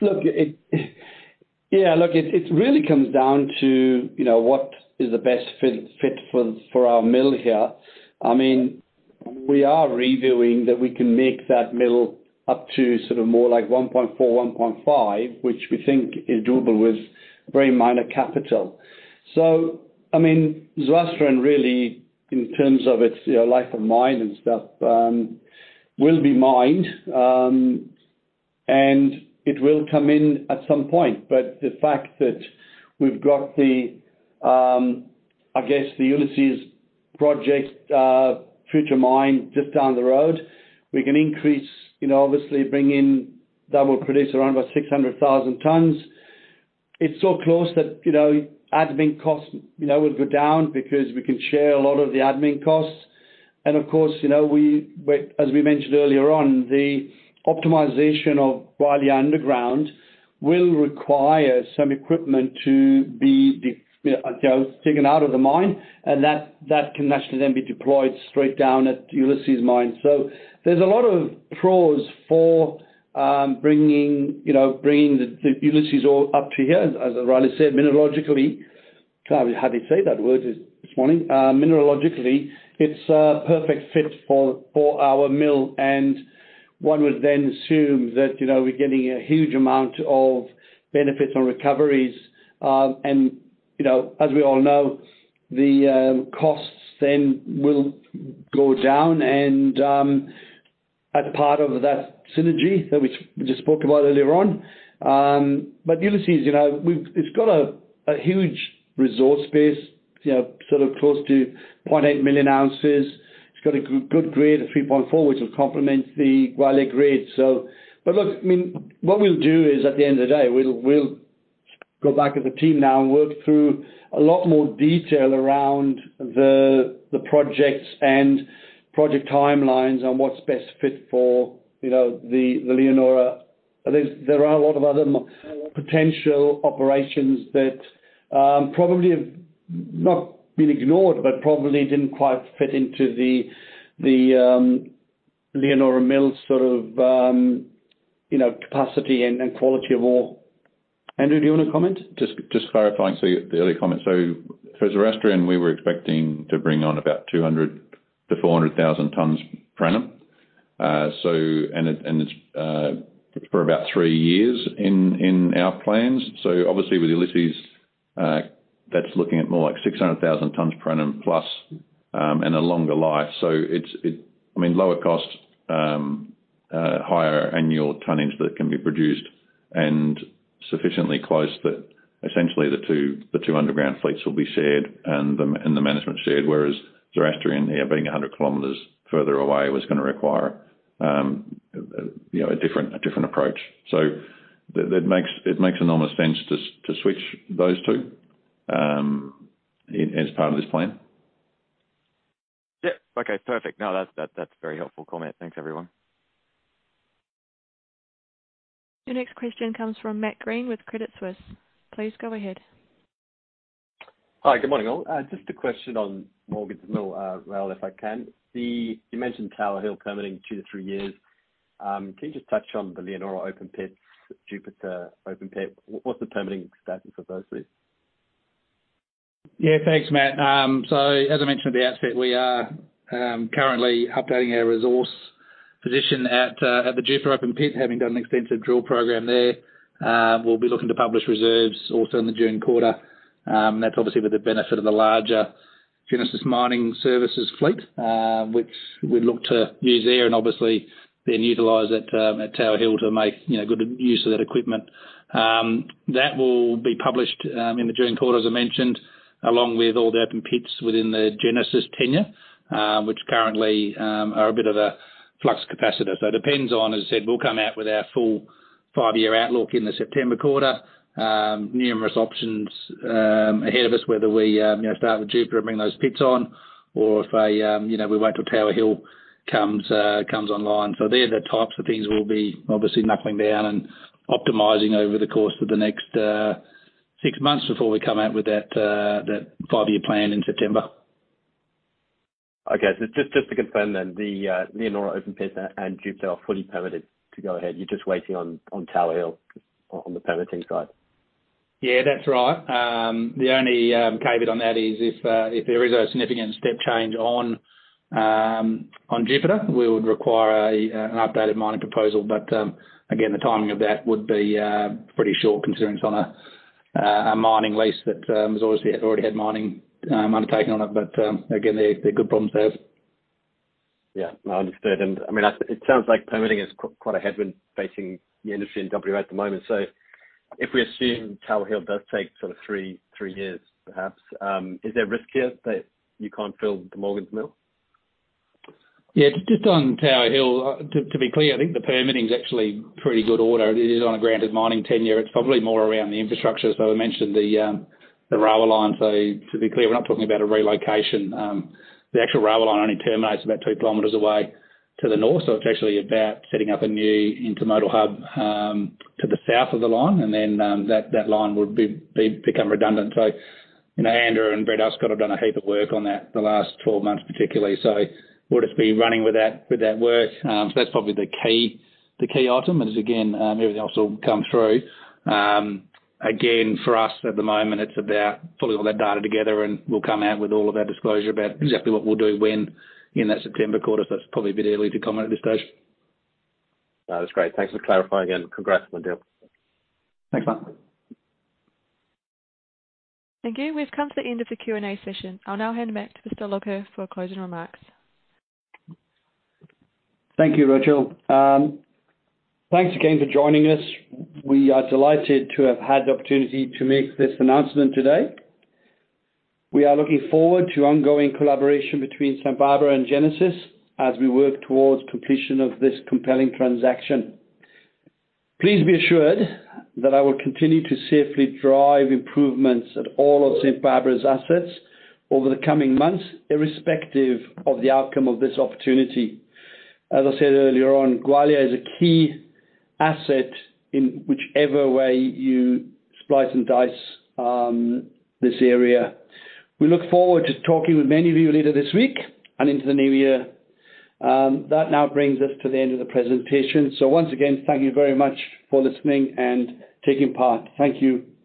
Yeah. Look, it really comes down to, you know, what is the best fit for our mill here. I mean, we are reviewing that we can make that mill up to sort of more like 1.4, 1.5, which we think is doable with very minor capital. I mean, Zoroastrian really, in terms of its, you know, life of mine and stuff, will be mined, and it will come in at some point. The fact that we've got the, I guess the Ulysses project, future mine just down the road, we can increase, you know, obviously bring in that will produce around about 600,000 tons. It's so close that, you know, admin costs, you know, will go down because we can share a lot of the admin costs. Of course, you know, but as we mentioned earlier on, the optimization of Gwalia Underground will require some equipment to be, you know, taken out of the mine, and that can naturally then be deployed straight down at Ulysses mine. There's a lot of pros for bringing, you know, bringing the Ulysses ore up to here. As Raleigh said, mineralogically. God, I was happy to say that word this morning. Mineralogically, it's a perfect fit for our mill, and one would then assume that, you know, we're getting a huge amount of benefits on recoveries, and, you know, as we all know, the costs then will go down and as part of that synergy that we spoke about earlier on. Ulysses, you know, it's got a huge resource base, you know, sort of close to 0.8 million ounces. It's got a good grade, a 3.4 grams, which will complement the Gwalia grade. Look, I mean, what we'll do is, at the end of the day, we'll go back as a team now and work through a lot more detail around the projects and project timelines on what's best fit for, you know, the Leonora. There's, there are a lot of other potential operations that probably have not been ignored but probably didn't quite fit into the Leonora Mill sort of, you know, capacity and quality of ore. Andrew, do you wanna comment? Just clarifying. The early comments. For Zoroastrian, we were expecting to bring on about 200,000-400,000 tons per annum. And it's for about three years in our plans. Obviously with Ulysses, that's looking at more like 600,000 tons per annum plus, and a longer life. I mean, lower costs, higher annual tonnage that can be produced and sufficiently close that essentially the two underground fleets will be shared and the management shared, whereas Zoroastrian being 100 km further away was gonna require, you know, a different approach. It makes enormous sense to switch those two as part of this plan. Yeah. Okay, perfect. No, that's, that's a very helpful comment. Thanks, everyone. The next question comes from Matt Greene with Credit Suisse. Please go ahead. Hi. Good morning, all. Just a question on Mt Morgans Mill, rail, if I can. You mentioned Tower Hill permitting 2-3 years. Can you just touch on the Leonora open pits, Jupiter open pit? What's the permitting status of those three? Yeah, thanks, Matt. As I mentioned at the outset, we are currently updating our resource position at the Jupiter open pit, having done an extensive drill program there. We'll be looking to publish Ore Reserves also in the June quarter. That's obviously with the benefit of the larger Genesis Mining Services fleet, which we look to use there and obviously then utilize it at Tower Hill to make, you know, good use of that equipment. That will be published in the June quarter, as I mentioned, along with all the open pits within the Genesis tenure, which currently are a bit of a flux capacitor. It depends on, as I said, we'll come out with our full five-year outlook in the September quarter. numerous options ahead of us, whether we, you know, start with Jupiter and bring those pits on or if a, you know, we wait till Tower Hill comes online. They're the types of things we'll be obviously knuckling down and optimizing over the course of the next six months before we come out with that five-year plan in September. Just to confirm then, the Leonora open pits and Jupiter are fully permitted to go ahead. You're just waiting on Tower Hill on the permitting side? Yeah, that's right. The only caveat on that is if there is a significant step change on Jupiter, we would require an updated mining proposal. Again, the timing of that would be pretty short considering it's on a mining lease that has obviously already had mining undertaken on it. Again, they're good problems to have. Yeah. No, understood. I mean, it sounds like permitting is quite a headwind facing the industry in W.A. at the moment. If we assume Tower Hill does take sort of 3 years, perhaps, is there risk here that you can't fill the Mt Morgans Mill? Yeah. Just on Tower Hill, to be clear, I think the permitting is actually pretty good order. It is on a granted mining tenure. It's probably more around the infrastructure. As I mentioned, the rail line. To be clear, we're not talking about a relocation. The actual rail line only terminates about 2 km away to the north. It's actually about setting up a new intermodal hub to the south of the line. Then that line would become redundant. You know, Andrew and Brett Scott have done a heap of work on that the last 12 months particularly. We'll just be running with that work. That's probably the key, the key item. Again, everything else will come through. Again, for us at the moment it's about pulling all that data together, and we'll come out with all of our disclosure about exactly what we'll do when in that September quarter. It's probably a bit early to comment at this stage. No, that's great. Thanks for clarifying. Congrats on the deal. Thanks, Matt. Thank you. We've come to the end of the Q&A session. I'll now hand it back to Dan Lougher for closing remarks. Thank you, Rochelle. Thanks again for joining us. We are delighted to have had the opportunity to make this announcement today. We are looking forward to ongoing collaboration between St Barbara and Genesis as we work towards completion of this compelling transaction. Please be assured that I will continue to safely drive improvements at all of St Barbara's assets over the coming months, irrespective of the outcome of this opportunity. As I said earlier on, Gwalia is a key asset in whichever way you slice and dice this area. We look forward to talking with many of you later this week and into the new year. That now brings us to the end of the presentation. Once again, thank you very much for listening and taking part. Thank you.